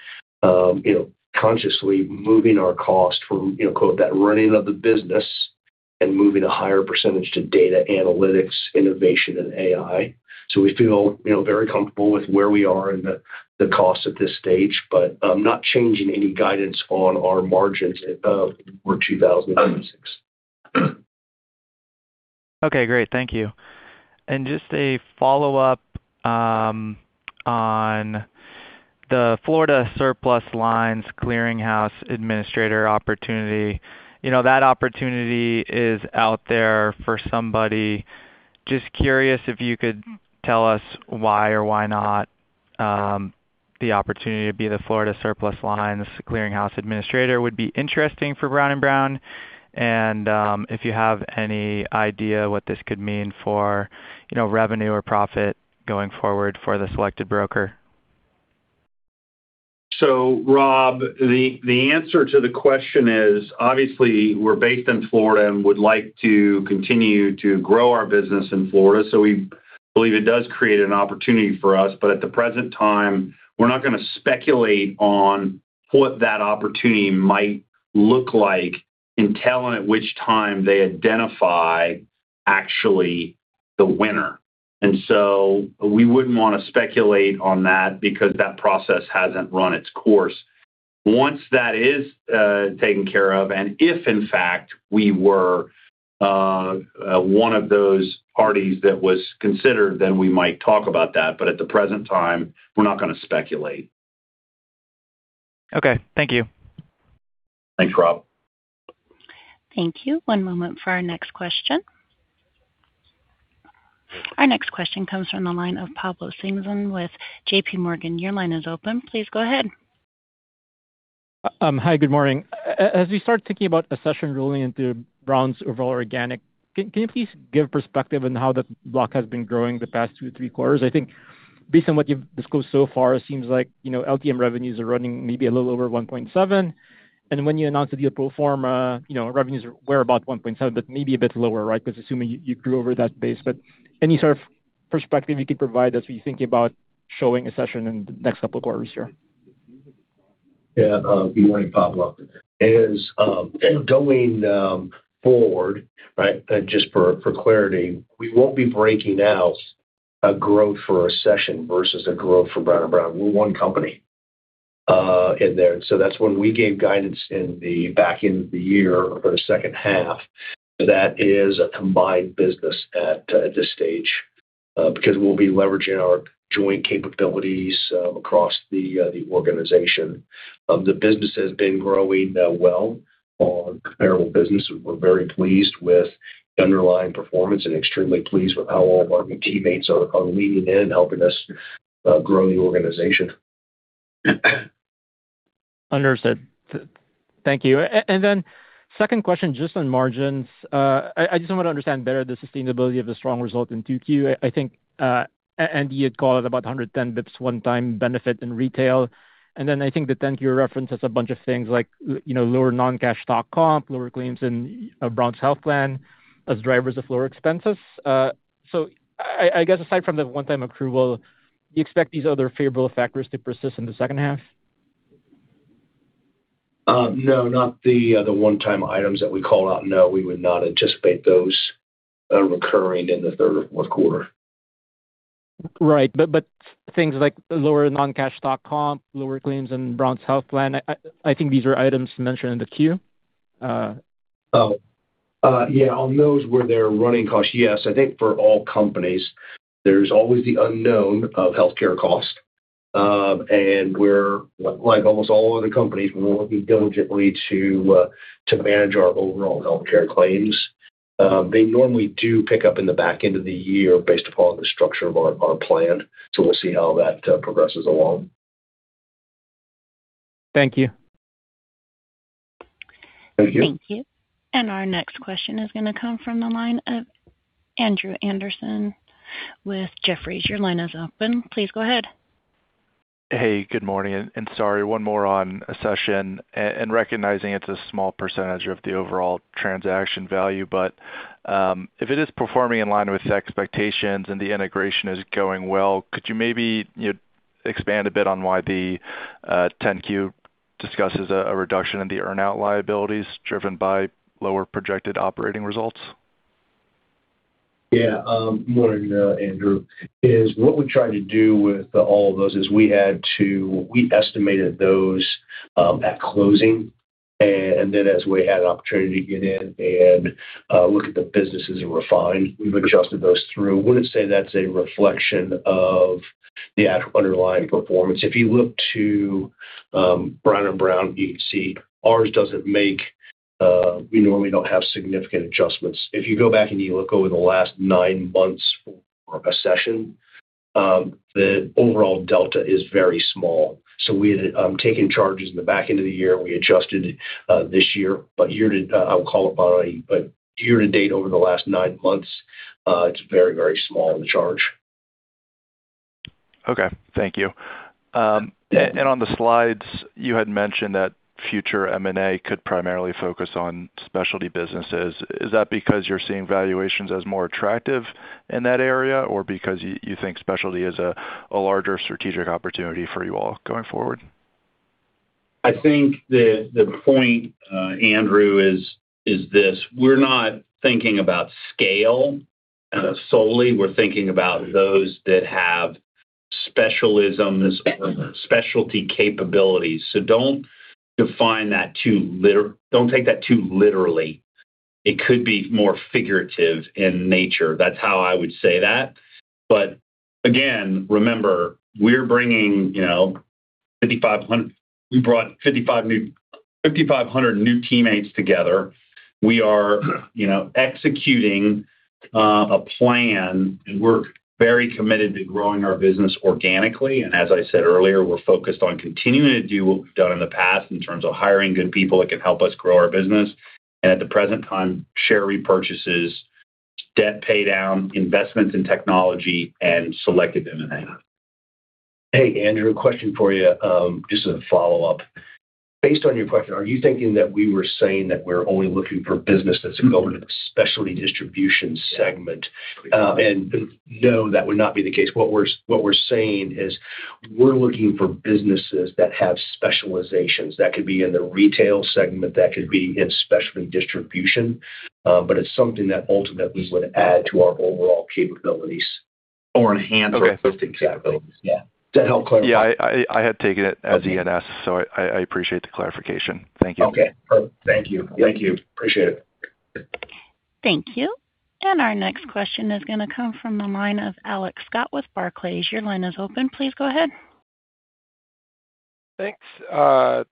consciously moving our cost from quote, "That running of the business" and moving a higher percentage to data analytics, innovation, and AI. We feel very comfortable with where we are in the cost at this stage, I'm not changing any guidance on our margins for 2026. Okay, great. Thank you. Just a follow-up on the Florida Surplus Lines Clearinghouse administrator opportunity. That opportunity is out there for somebody. Just curious if you could tell us why or why not the opportunity to be the Florida Surplus Lines Clearinghouse administrator would be interesting for Brown & Brown, and if you have any idea what this could mean for revenue or profit going forward for the selected broker. Rob, the answer to the question is, obviously, we're based in Florida and would like to continue to grow our business in Florida. We believe it does create an opportunity for us. At the present time, we're not going to speculate on what that opportunity might look like until and at which time they identify actually the winner. We wouldn't want to speculate on that because that process hasn't run its course. Once that is taken care of, if in fact, we were one of those parties that was considered, we might talk about that. At the present time, we're not going to speculate. Okay. Thank you. Thanks, Rob. Thank you. One moment for our next question. Our next question comes from the line of Pablo Singzon with JPMorgan. Your line is open. Please go ahead. Hi. Good morning. As we start thinking about Accession rolling into Brown's overall organic, can you please give perspective on how the block has been growing the past two, three quarters? I think based on what you've disclosed so far, it seems like LTM revenues are running maybe a little over $1.7. When you announced the pro forma, revenues were about $1.7, but maybe a bit lower, right? Because assuming you grew over that base. Any sort of perspective you could provide as you're thinking about showing Accession in the next couple of quarters here? Yeah. Good morning, Pablo. Going forward, just for clarity, we won't be breaking out a growth for Accession versus a growth for Brown & Brown. We're one company in there. That's when we gave guidance in the back end of the year for the second half. That is a combined business at this stage. We'll be leveraging our joint capabilities across the organization. The business has been growing well on comparable business. We're very pleased with underlying performance and extremely pleased with how all of our new teammates are leaning in helping us grow the organization. Understood. Thank you. Second question, just on margins. I just want to understand better the sustainability of the strong result in 2Q. I think Andy had called it about 110 basis points one-time benefit in retail. I think the 10-Q reference has a bunch of things like lower non-cash stock comp, lower claims in Brown's health plan as drivers of lower expenses. I guess aside from the one-time accrual, do you expect these other favorable factors to persist in the second half? No, not the one-time items that we called out. No, we would not anticipate those recurring in the third or fourth quarter. Right. Things like lower non-cash stock comp, lower claims in Brown's health plan, I think these are items mentioned in the Q. Yeah, on those where they're running costs, yes. I think for all companies, there's always the unknown of healthcare cost. We're like almost all other companies, we're working diligently to manage our overall healthcare claims. They normally do pick up in the back end of the year based upon the structure of our plan. We'll see how that progresses along. Thank you. Thank you. Thank you. Our next question is going to come from the line of Andrew Andersen with Jefferies. Your line is open. Please go ahead. Hey, good morning, and sorry, one more on Accession and recognizing it's a small percentage of the overall transaction value, but, if it is performing in line with the expectations and the integration is going well, could you maybe expand a bit on why the 10-Q discusses a reduction in the earn out liabilities driven by lower projected operating results? Good morning, Andrew. What we try to do with all of those is we estimated those at closing, and then as we had an opportunity to get in and look at the businesses and refine, we've adjusted those through. Wouldn't say that's a reflection of the underlying performance. If you look to Brown & Brown, you can see ours doesn't make, we normally don't have significant adjustments. If you go back and you look over the last nine months for Accession, the overall delta is very small. We had taken charges in the back end of the year, and we adjusted this year. Year to date over the last nine months, it's very, very small, the charge. Okay. Thank you. On the slides, you had mentioned that future M&A could primarily focus on specialty businesses. Is that because you're seeing valuations as more attractive in that area or because you think specialty is a larger strategic opportunity for you all going forward? I think the point, Andrew, is this. We're not thinking about scale solely. We're thinking about those that have specialisms or specialty capabilities. Don't take that too literally. It could be more figurative in nature. That's how I would say that. Again, remember, we brought 5,500 new teammates together. We are executing a plan, and we're very committed to growing our business organically. As I said earlier, we're focused on continuing to do what we've done in the past in terms of hiring good people that can help us grow our business. At the present time, share repurchases, debt pay down, investments in technology, and selective M&A. Hey, Andrew, question for you, just a follow-up. Based on your question, are you thinking that we were saying that we're only looking for business that's going into specialty distribution segment? No, that would not be the case. What we're saying is we're looking for businesses that have specializations. That could be in the retail segment, that could be in specialty distribution, but it's something that ultimately would add to our overall capabilities. Enhance our existing capabilities. Exactly, yeah. Does that help clarify? Yeah, I had taken it as E&S, so I appreciate the clarification. Thank you. Okay, perfect. Thank you. Appreciate it. Thank you. Our next question is going to come from the line of Alex Scott with Barclays. Your line is open. Please go ahead. Thanks. I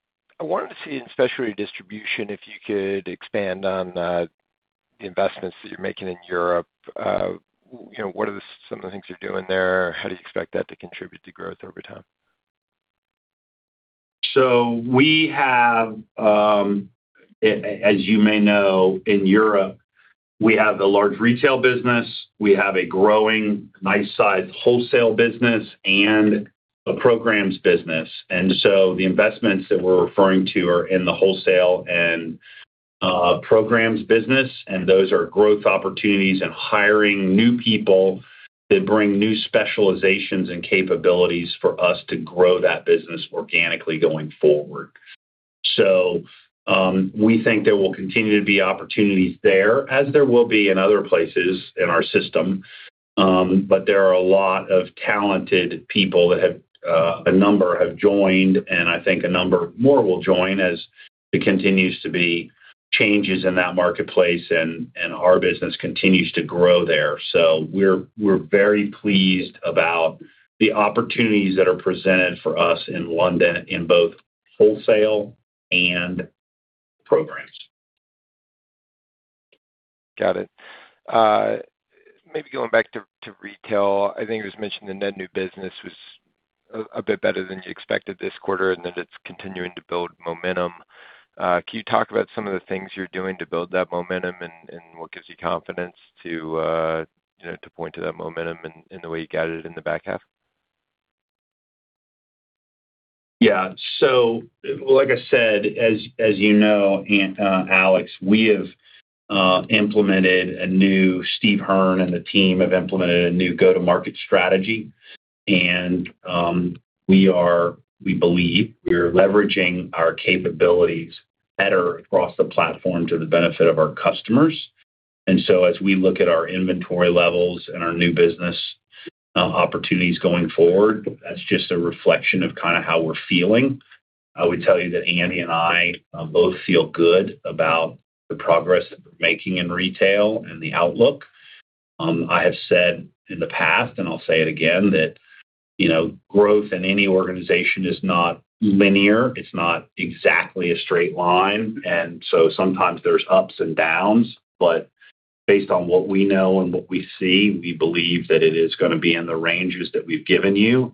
wanted to see in specialty distribution, if you could expand on the investments that you're making in Europe. What are some of the things you're doing there? How do you expect that to contribute to growth over time? We have, as you may know, in Europe, we have a large retail business. We have a growing, nice size wholesale business and a programs business. The investments that we're referring to are in the wholesale and programs business, and those are growth opportunities and hiring new people that bring new specializations and capabilities for us to grow that business organically going forward. We think there will continue to be opportunities there, as there will be in other places in our system. There are a lot of talented people, a number have joined, and I think a number more will join as there continues to be changes in that marketplace and our business continues to grow there. We're very pleased about the opportunities that are presented for us in London in both wholesale and programs. Got it. Maybe going back to retail, I think it was mentioned the net new business was a bit better than you expected this quarter, and that it's continuing to build momentum. Can you talk about some of the things you're doing to build that momentum, and what gives you confidence to point to that momentum and the way you gathered it in the back half? Yeah. Like I said, as you know, Alex, we have implemented a new, Steve Hearn and the team have implemented a new go-to-market strategy. We believe we're leveraging our capabilities better across the platform to the benefit of our customers. As we look at our inventory levels and our new business opportunities going forward, that's just a reflection of kind of how we're feeling. I would tell you that Andy and I both feel good about the progress that we're making in retail and the outlook. I have said in the past, and I'll say it again, that growth in any organization is not linear. It's not exactly a straight line. Sometimes there's ups and downs, but based on what we know and what we see, we believe that it is going to be in the ranges that we've given you.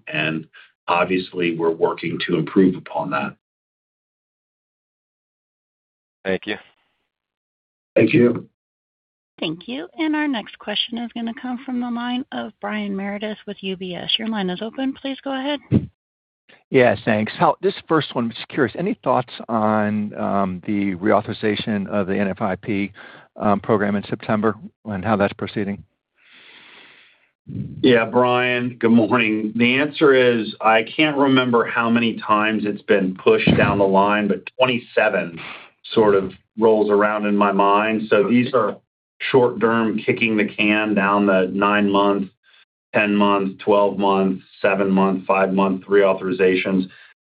Obviously, we're working to improve upon that. Thank you. Thank you. Thank you. Our next question is going to come from the line of Brian Meredith with UBS. Your line is open. Please go ahead. Yeah, thanks. This first one, I'm just curious, any thoughts on the reauthorization of the NFIP program in September and how that's proceeding? Yeah, Brian, good morning. The answer is, I can't remember how many times it's been pushed down the line, but 27 sort of rolls around in my mind. These are short-term, kicking-the-can-down-the-nine-month, 10-month, 12-month, seven-month, five-month reauthorizations.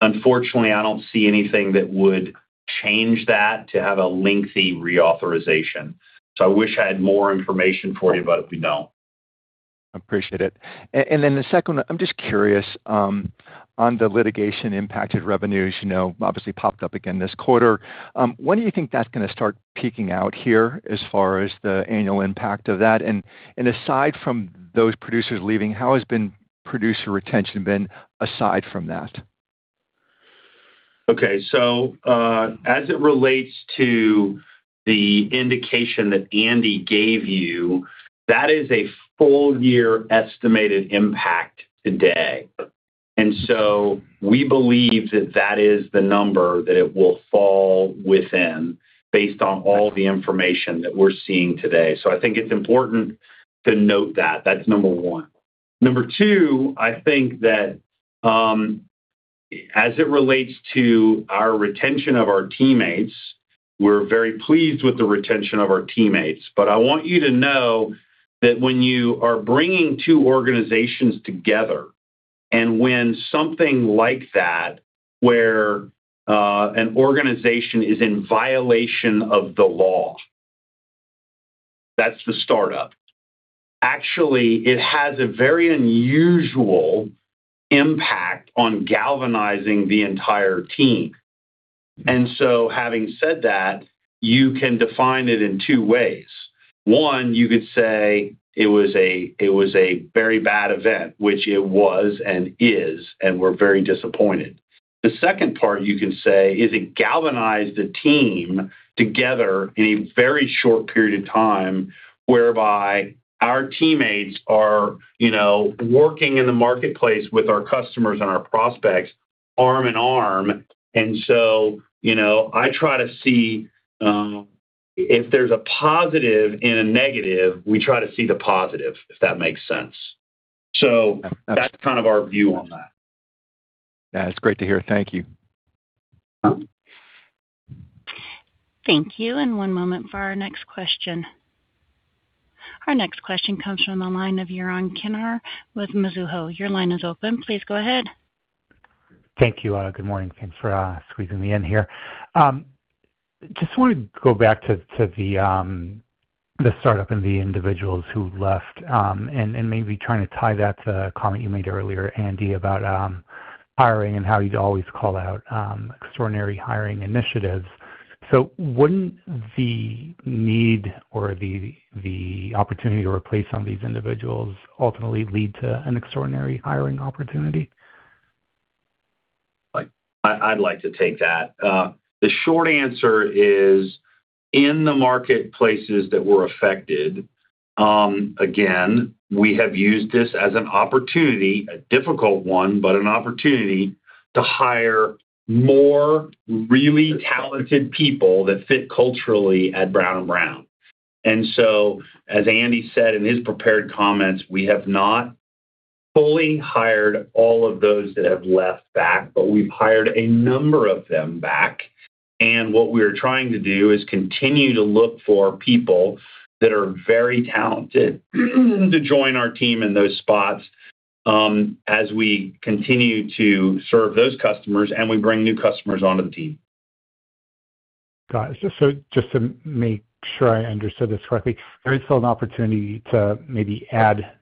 Unfortunately, I don't see anything that would change that to have a lengthy reauthorization. I wish I had more information for you, but we don't. I appreciate it. Then the second one, I'm just curious on the litigation-impacted revenues, obviously popped up again this quarter. When do you think that's going to start peaking out here as far as the annual impact of that? Aside from those producers leaving, how has producer retention been aside from that? As it relates to the indication that Andy gave you, that is a full year estimated impact today. We believe that that is the number that it will fall within based on all the information that we're seeing today. I think it's important to note that. That's number one. Number two, I think that as it relates to our retention of our teammates, we're very pleased with the retention of our teammates. But I want you to know that when you are bringing two organizations together, when something like that, where an organization is in violation of the law, that's the setup. Actually, it has a very unusual impact on galvanizing the entire team. Having said that, you can define it in two ways. One, you could say it was a very bad event, which it was and is, and we're very disappointed. The second part you can say is it galvanized a team together in a very short period of time, whereby our teammates are working in the marketplace with our customers and our prospects arm in arm. I try to see if there's a positive in a negative, we try to see the positive, if that makes sense. That's kind of our view on that. That's great to hear. Thank you. Thank you. One moment for our next question. Our next question comes from the line of Yaron Kinar with Mizuho. Your line is open. Please go ahead. Thank you. Good morning, and for squeezing me in here. Just want to go back to the startup and the individuals who left, and maybe trying to tie that to a comment you made earlier, Andy, about hiring and how you'd always call out extraordinary hiring initiatives. Wouldn't the need or the opportunity to replace some of these individuals ultimately lead to an extraordinary hiring opportunity? I'd like to take that. The short answer is in the marketplaces that were affected, again, we have used this as an opportunity, a difficult one, but an opportunity to hire more really talented people that fit culturally at Brown & Brown. As Andy said in his prepared comments, we have not fully hired all of those that have left back, but we've hired a number of them back. What we're trying to do is continue to look for people that are very talented to join our team in those spots as we continue to serve those customers, and we bring new customers onto the team. Got it. Just to make sure I understood this correctly, there is still an opportunity to maybe add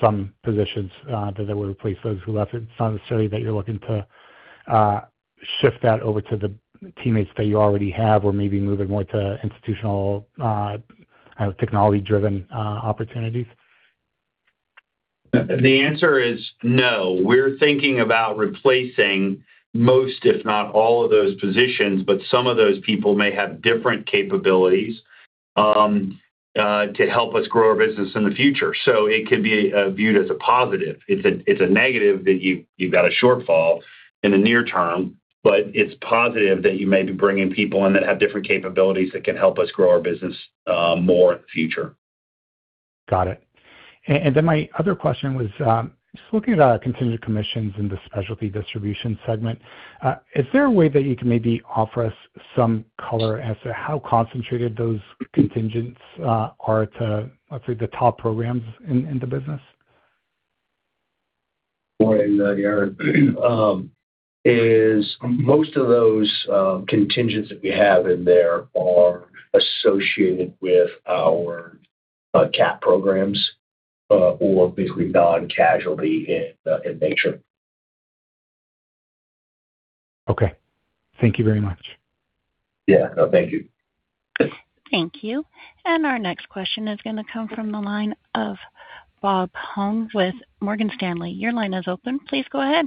some positions that would replace those who left. It's not necessarily that you're looking to shift that over to the teammates that you already have or maybe move it more to institutional, technology-driven opportunities? The answer is no. We're thinking about replacing most, if not all of those positions, but some of those people may have different capabilities to help us grow our business in the future. It could be viewed as a positive. It's a negative that you've got a shortfall in the near term, but it's positive that you may be bringing people in that have different capabilities that can help us grow our business more in the future. Got it. My other question was just looking at contingent commissions in the specialty distribution segment. Is there a way that you can maybe offer us some color as to how concentrated those contingents are to, let's say, the top programs in the business? Morning, Yaron. Most of those contingents that we have in there are associated with our CAT programs, or basically non-casualty in nature. Okay. Thank you very much. Yeah. Thank you. Thank you. Our next question is going to come from the line of Rob Huang with Morgan Stanley. Your line is open. Please go ahead.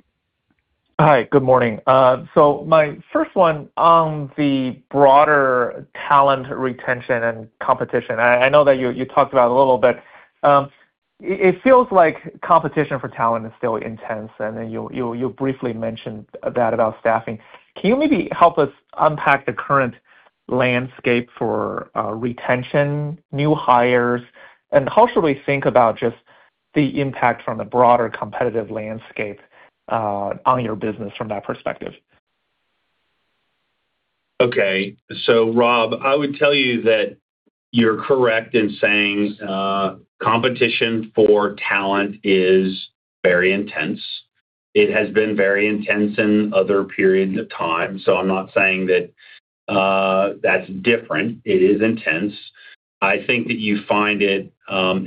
Hi. Good morning. My first one on the broader talent retention and competition. I know that you talked about it a little, but it feels like competition for talent is still intense, and then you briefly mentioned that about staffing. Can you maybe help us unpack the current landscape for retention, new hires, and how should we think about just the impact from the broader competitive landscape on your business from that perspective? Okay. Rob, I would tell you that you're correct in saying competition for talent is very intense. It has been very intense in other periods of time, so I'm not saying that's different. It is intense. I think that you find it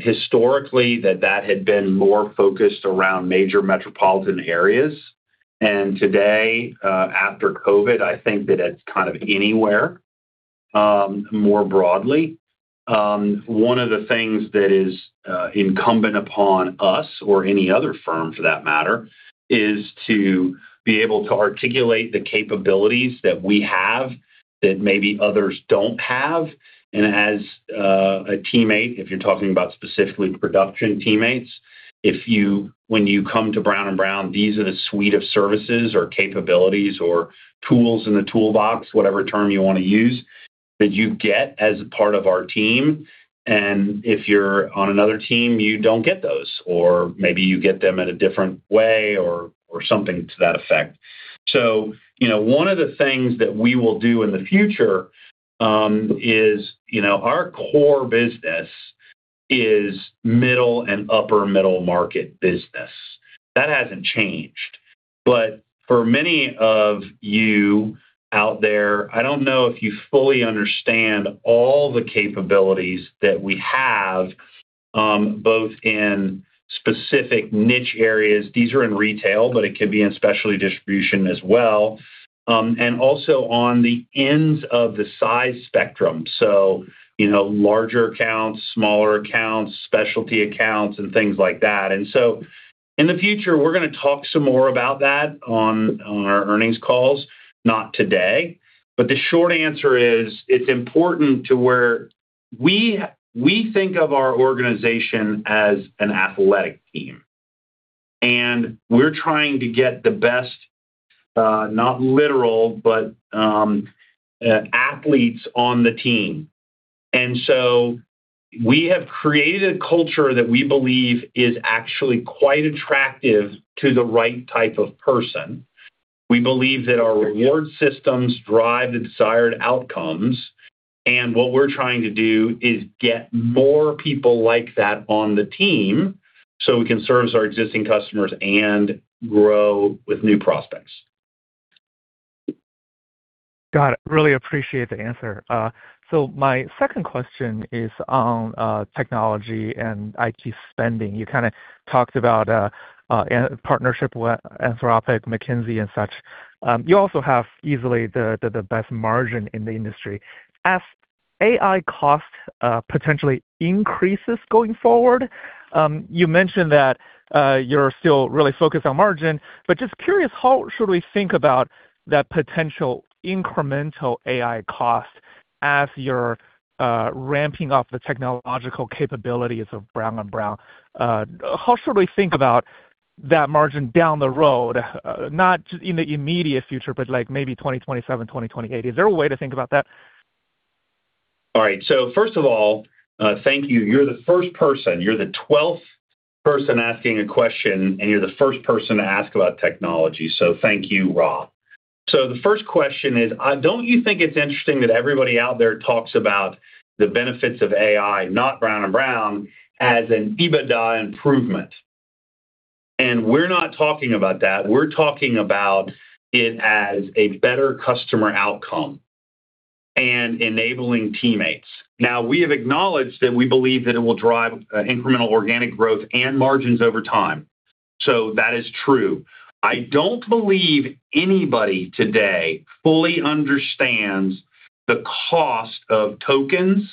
historically that that had been more focused around major metropolitan areas. Today, after COVID, I think that it's kind of anywhere, more broadly. One of the things that is incumbent upon us or any other firm for that matter, is to be able to articulate the capabilities that we have that maybe others don't have. As a teammate, if you're talking about specifically production teammates, when you come to Brown & Brown, these are the suite of services or capabilities or tools in the toolbox, whatever term you want to use, that you get as a part of our team. If you're on another team, you don't get those, or maybe you get them in a different way or something to that effect. One of the things that we will do in the future is, our core business is middle and upper middle market business. That hasn't changed. For many of you out there, I don't know if you fully understand all the capabilities that we have, both in specific niche areas, these are in retail, but it could be in specialty distribution as well, and also on the ends of the size spectrum. Larger accounts, smaller accounts, specialty accounts, and things like that. In the future, we're going to talk some more about that on our earnings calls, not today. The short answer is, it's important to where we think of our organization as an athletic team, we're trying to get the best, not literal, but athletes on the team. We have created a culture that we believe is actually quite attractive to the right type of person. We believe that our reward systems drive the desired outcomes, what we're trying to do is get more people like that on the team so we can service our existing customers and grow with new prospects. Got it. Really appreciate the answer. My second question is on technology and IT spending. You kind of talked about a partnership with Anthropic, McKinsey, and such. You also have easily the best margin in the industry. As AI cost potentially increases going forward, you mentioned that you're still really focused on margin, just curious, how should we think about that potential incremental AI cost as you're ramping up the technological capabilities of Brown & Brown? How should we think about that margin down the road? Not in the immediate future, but maybe 2027, 2028. Is there a way to think about that? All right. First of all, thank you. You're the 12th person asking a question, you're the first person to ask about technology. Thank you, Rob. The first question is, don't you think it's interesting that everybody out there talks about the benefits of AI, not Brown & Brown, as an EBITDA improvement? We're not talking about that. We're talking about it as a better customer outcome and enabling teammates. Now, we have acknowledged that we believe that it will drive incremental organic growth and margins over time. That is true. I don't believe anybody today fully understands the cost of tokens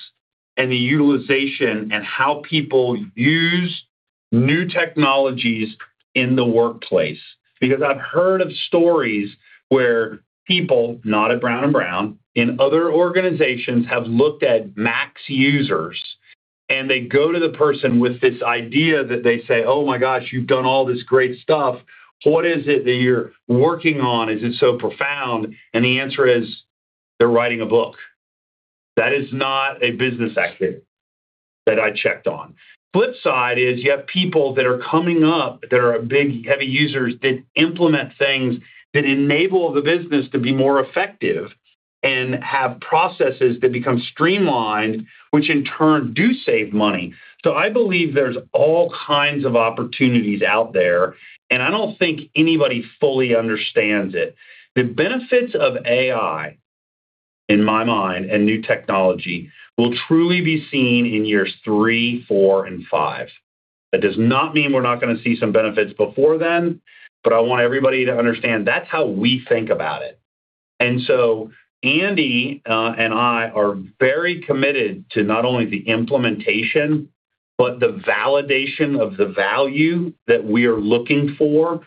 and the utilization and how people use new technologies in the workplace. I've heard of stories where people, not at Brown & Brown, in other organizations, have looked at max users, they go to the person with this idea that they say, "Oh my gosh, you've done all this great stuff. What is it that you're working on? Is it so profound?" The answer is they're writing a book. That is not a business activity that I checked on. Flip side is you have people that are coming up that are big, heavy users that implement things that enable the business to be more effective and have processes that become streamlined, which in turn do save money. I believe there's all kinds of opportunities out there, I don't think anybody fully understands it. The benefits of AI In my mind, and new technology will truly be seen in years three, four, and five. That does not mean we're not going to see some benefits before then, but I want everybody to understand that's how we think about it. Andy and I are very committed to not only the implementation, but the validation of the value that we are looking for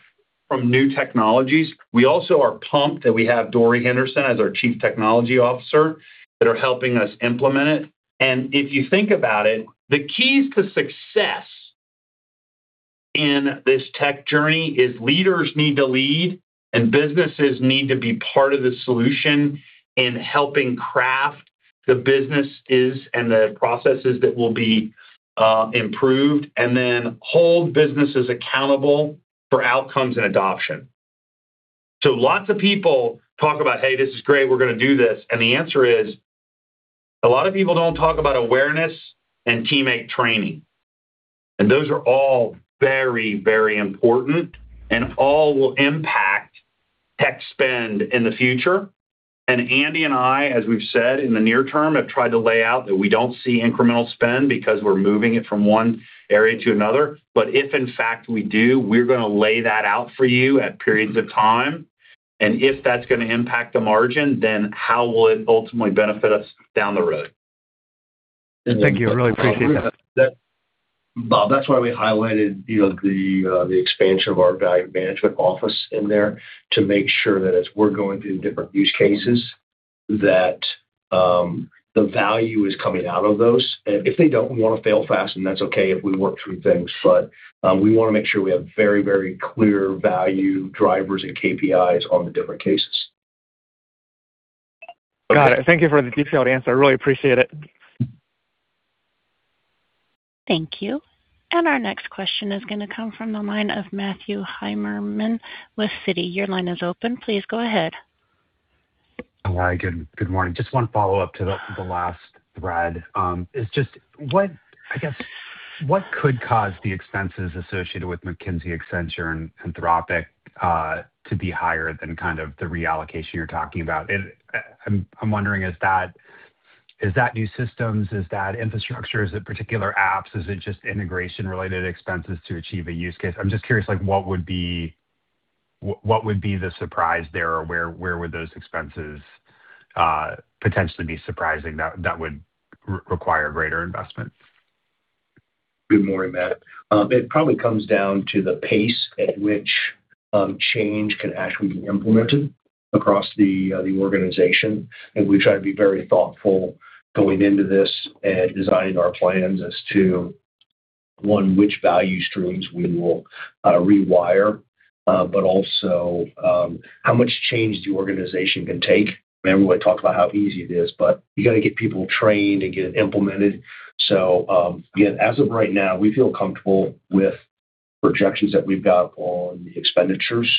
from new technologies. We also are pumped that we have Dori Henderson as our Chief Technology Officer that are helping us implement it. If you think about it, the keys to success in this tech journey is leaders need to lead, and businesses need to be part of the solution in helping craft the businesses and the processes that will be improved, and then hold businesses accountable for outcomes and adoption. Lots of people talk about, "Hey, this is great, we're going to do this." The answer is, a lot of people don't talk about awareness and teammate training, and those are all very important, and all will impact tech spend in the future. Andy and I, as we've said in the near term, have tried to lay out that we don't see incremental spend because we're moving it from one area to another. If in fact we do, we're going to lay that out for you at periods of time. If that's going to impact the margin, then how will it ultimately benefit us down the road? Thank you. I really appreciate that. Bob, that's why we highlighted the expansion of our value management office in there to make sure that as we're going through different use cases, that the value is coming out of those. If they don't, we want to fail fast, and that's okay if we work through things. We want to make sure we have very clear value drivers and KPIs on the different cases. Got it. Thank you for the detailed answer. I really appreciate it. Thank you. Our next question is going to come from the line of Matthew Heimermann with Citi. Your line is open. Please go ahead. Hi, good morning. Just one follow-up to the last thread. I guess, what could cause the expenses associated with McKinsey, Accenture, and Anthropic to be higher than kind of the reallocation you're talking about? I'm wondering, is that new systems? Is that infrastructure? Is it particular apps? Is it just integration-related expenses to achieve a use case? I'm just curious, what would be the surprise there or where would those expenses potentially be surprising that would require greater investment? Good morning, Matt. It probably comes down to the pace at which change can actually be implemented across the organization. We try to be very thoughtful going into this and designing our plans as to, one, which value streams we will rewire. Also how much change the organization can take. Everyone talks about how easy it is, but you got to get people trained and get it implemented. Again, as of right now, we feel comfortable with projections that we've got on expenditures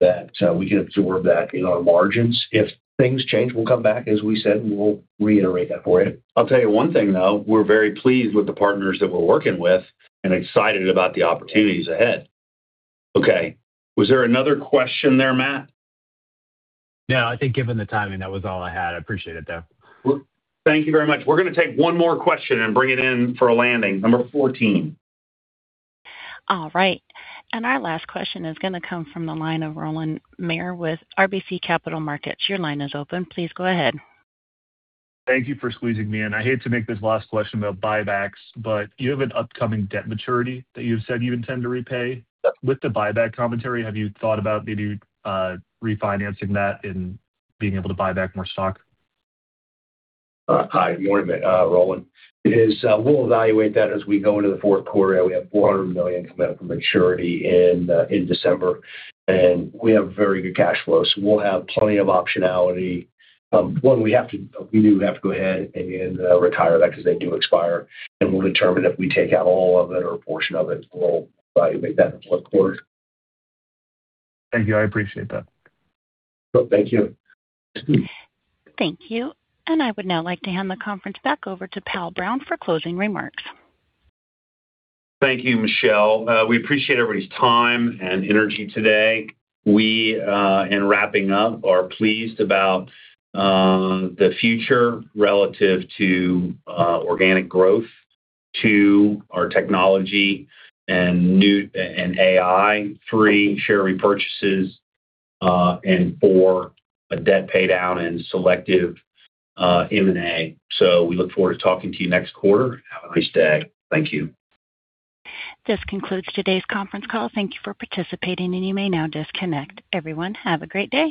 that we can absorb that in our margins. If things change, we'll come back, as we said, and we'll reiterate that for you. I'll tell you one thing, though. We're very pleased with the partners that we're working with and excited about the opportunities ahead. Okay. Was there another question there, Matt? No, I think given the timing, that was all I had. I appreciate it, though. Thank you very much. We're going to take one more question and bring it in for a landing. Number 14. All right. Our last question is going to come from the line of Rowland Mayor with RBC Capital Markets. Your line is open. Please go ahead. Thank you for squeezing me in. I hate to make this last question about buybacks, but you have an upcoming debt maturity that you've said you intend to repay. With the buyback commentary, have you thought about maybe refinancing that and being able to buy back more stock? Hi, good morning, Rowland. We'll evaluate that as we go into the fourth quarter. We have $400 million coming up for maturity in December, and we have very good cash flow, so we'll have plenty of optionality. One, we do have to go ahead and retire that because they do expire, and we'll determine if we take out all of it or a portion of it. We'll evaluate that in the fourth quarter. Thank you. I appreciate that. Thank you. Thank you. I would now like to hand the conference back over to Powell Brown for closing remarks. Thank you, Michelle. We appreciate everybody's time and energy today. We, in wrapping up, are pleased about the future relative to organic growth to our technology and AI. Three, share repurchases, and four, a debt paydown and selective M&A. We look forward to talking to you next quarter. Have a nice day. Thank you. This concludes today's conference call. Thank you for participating, and you may now disconnect. Everyone, have a great day.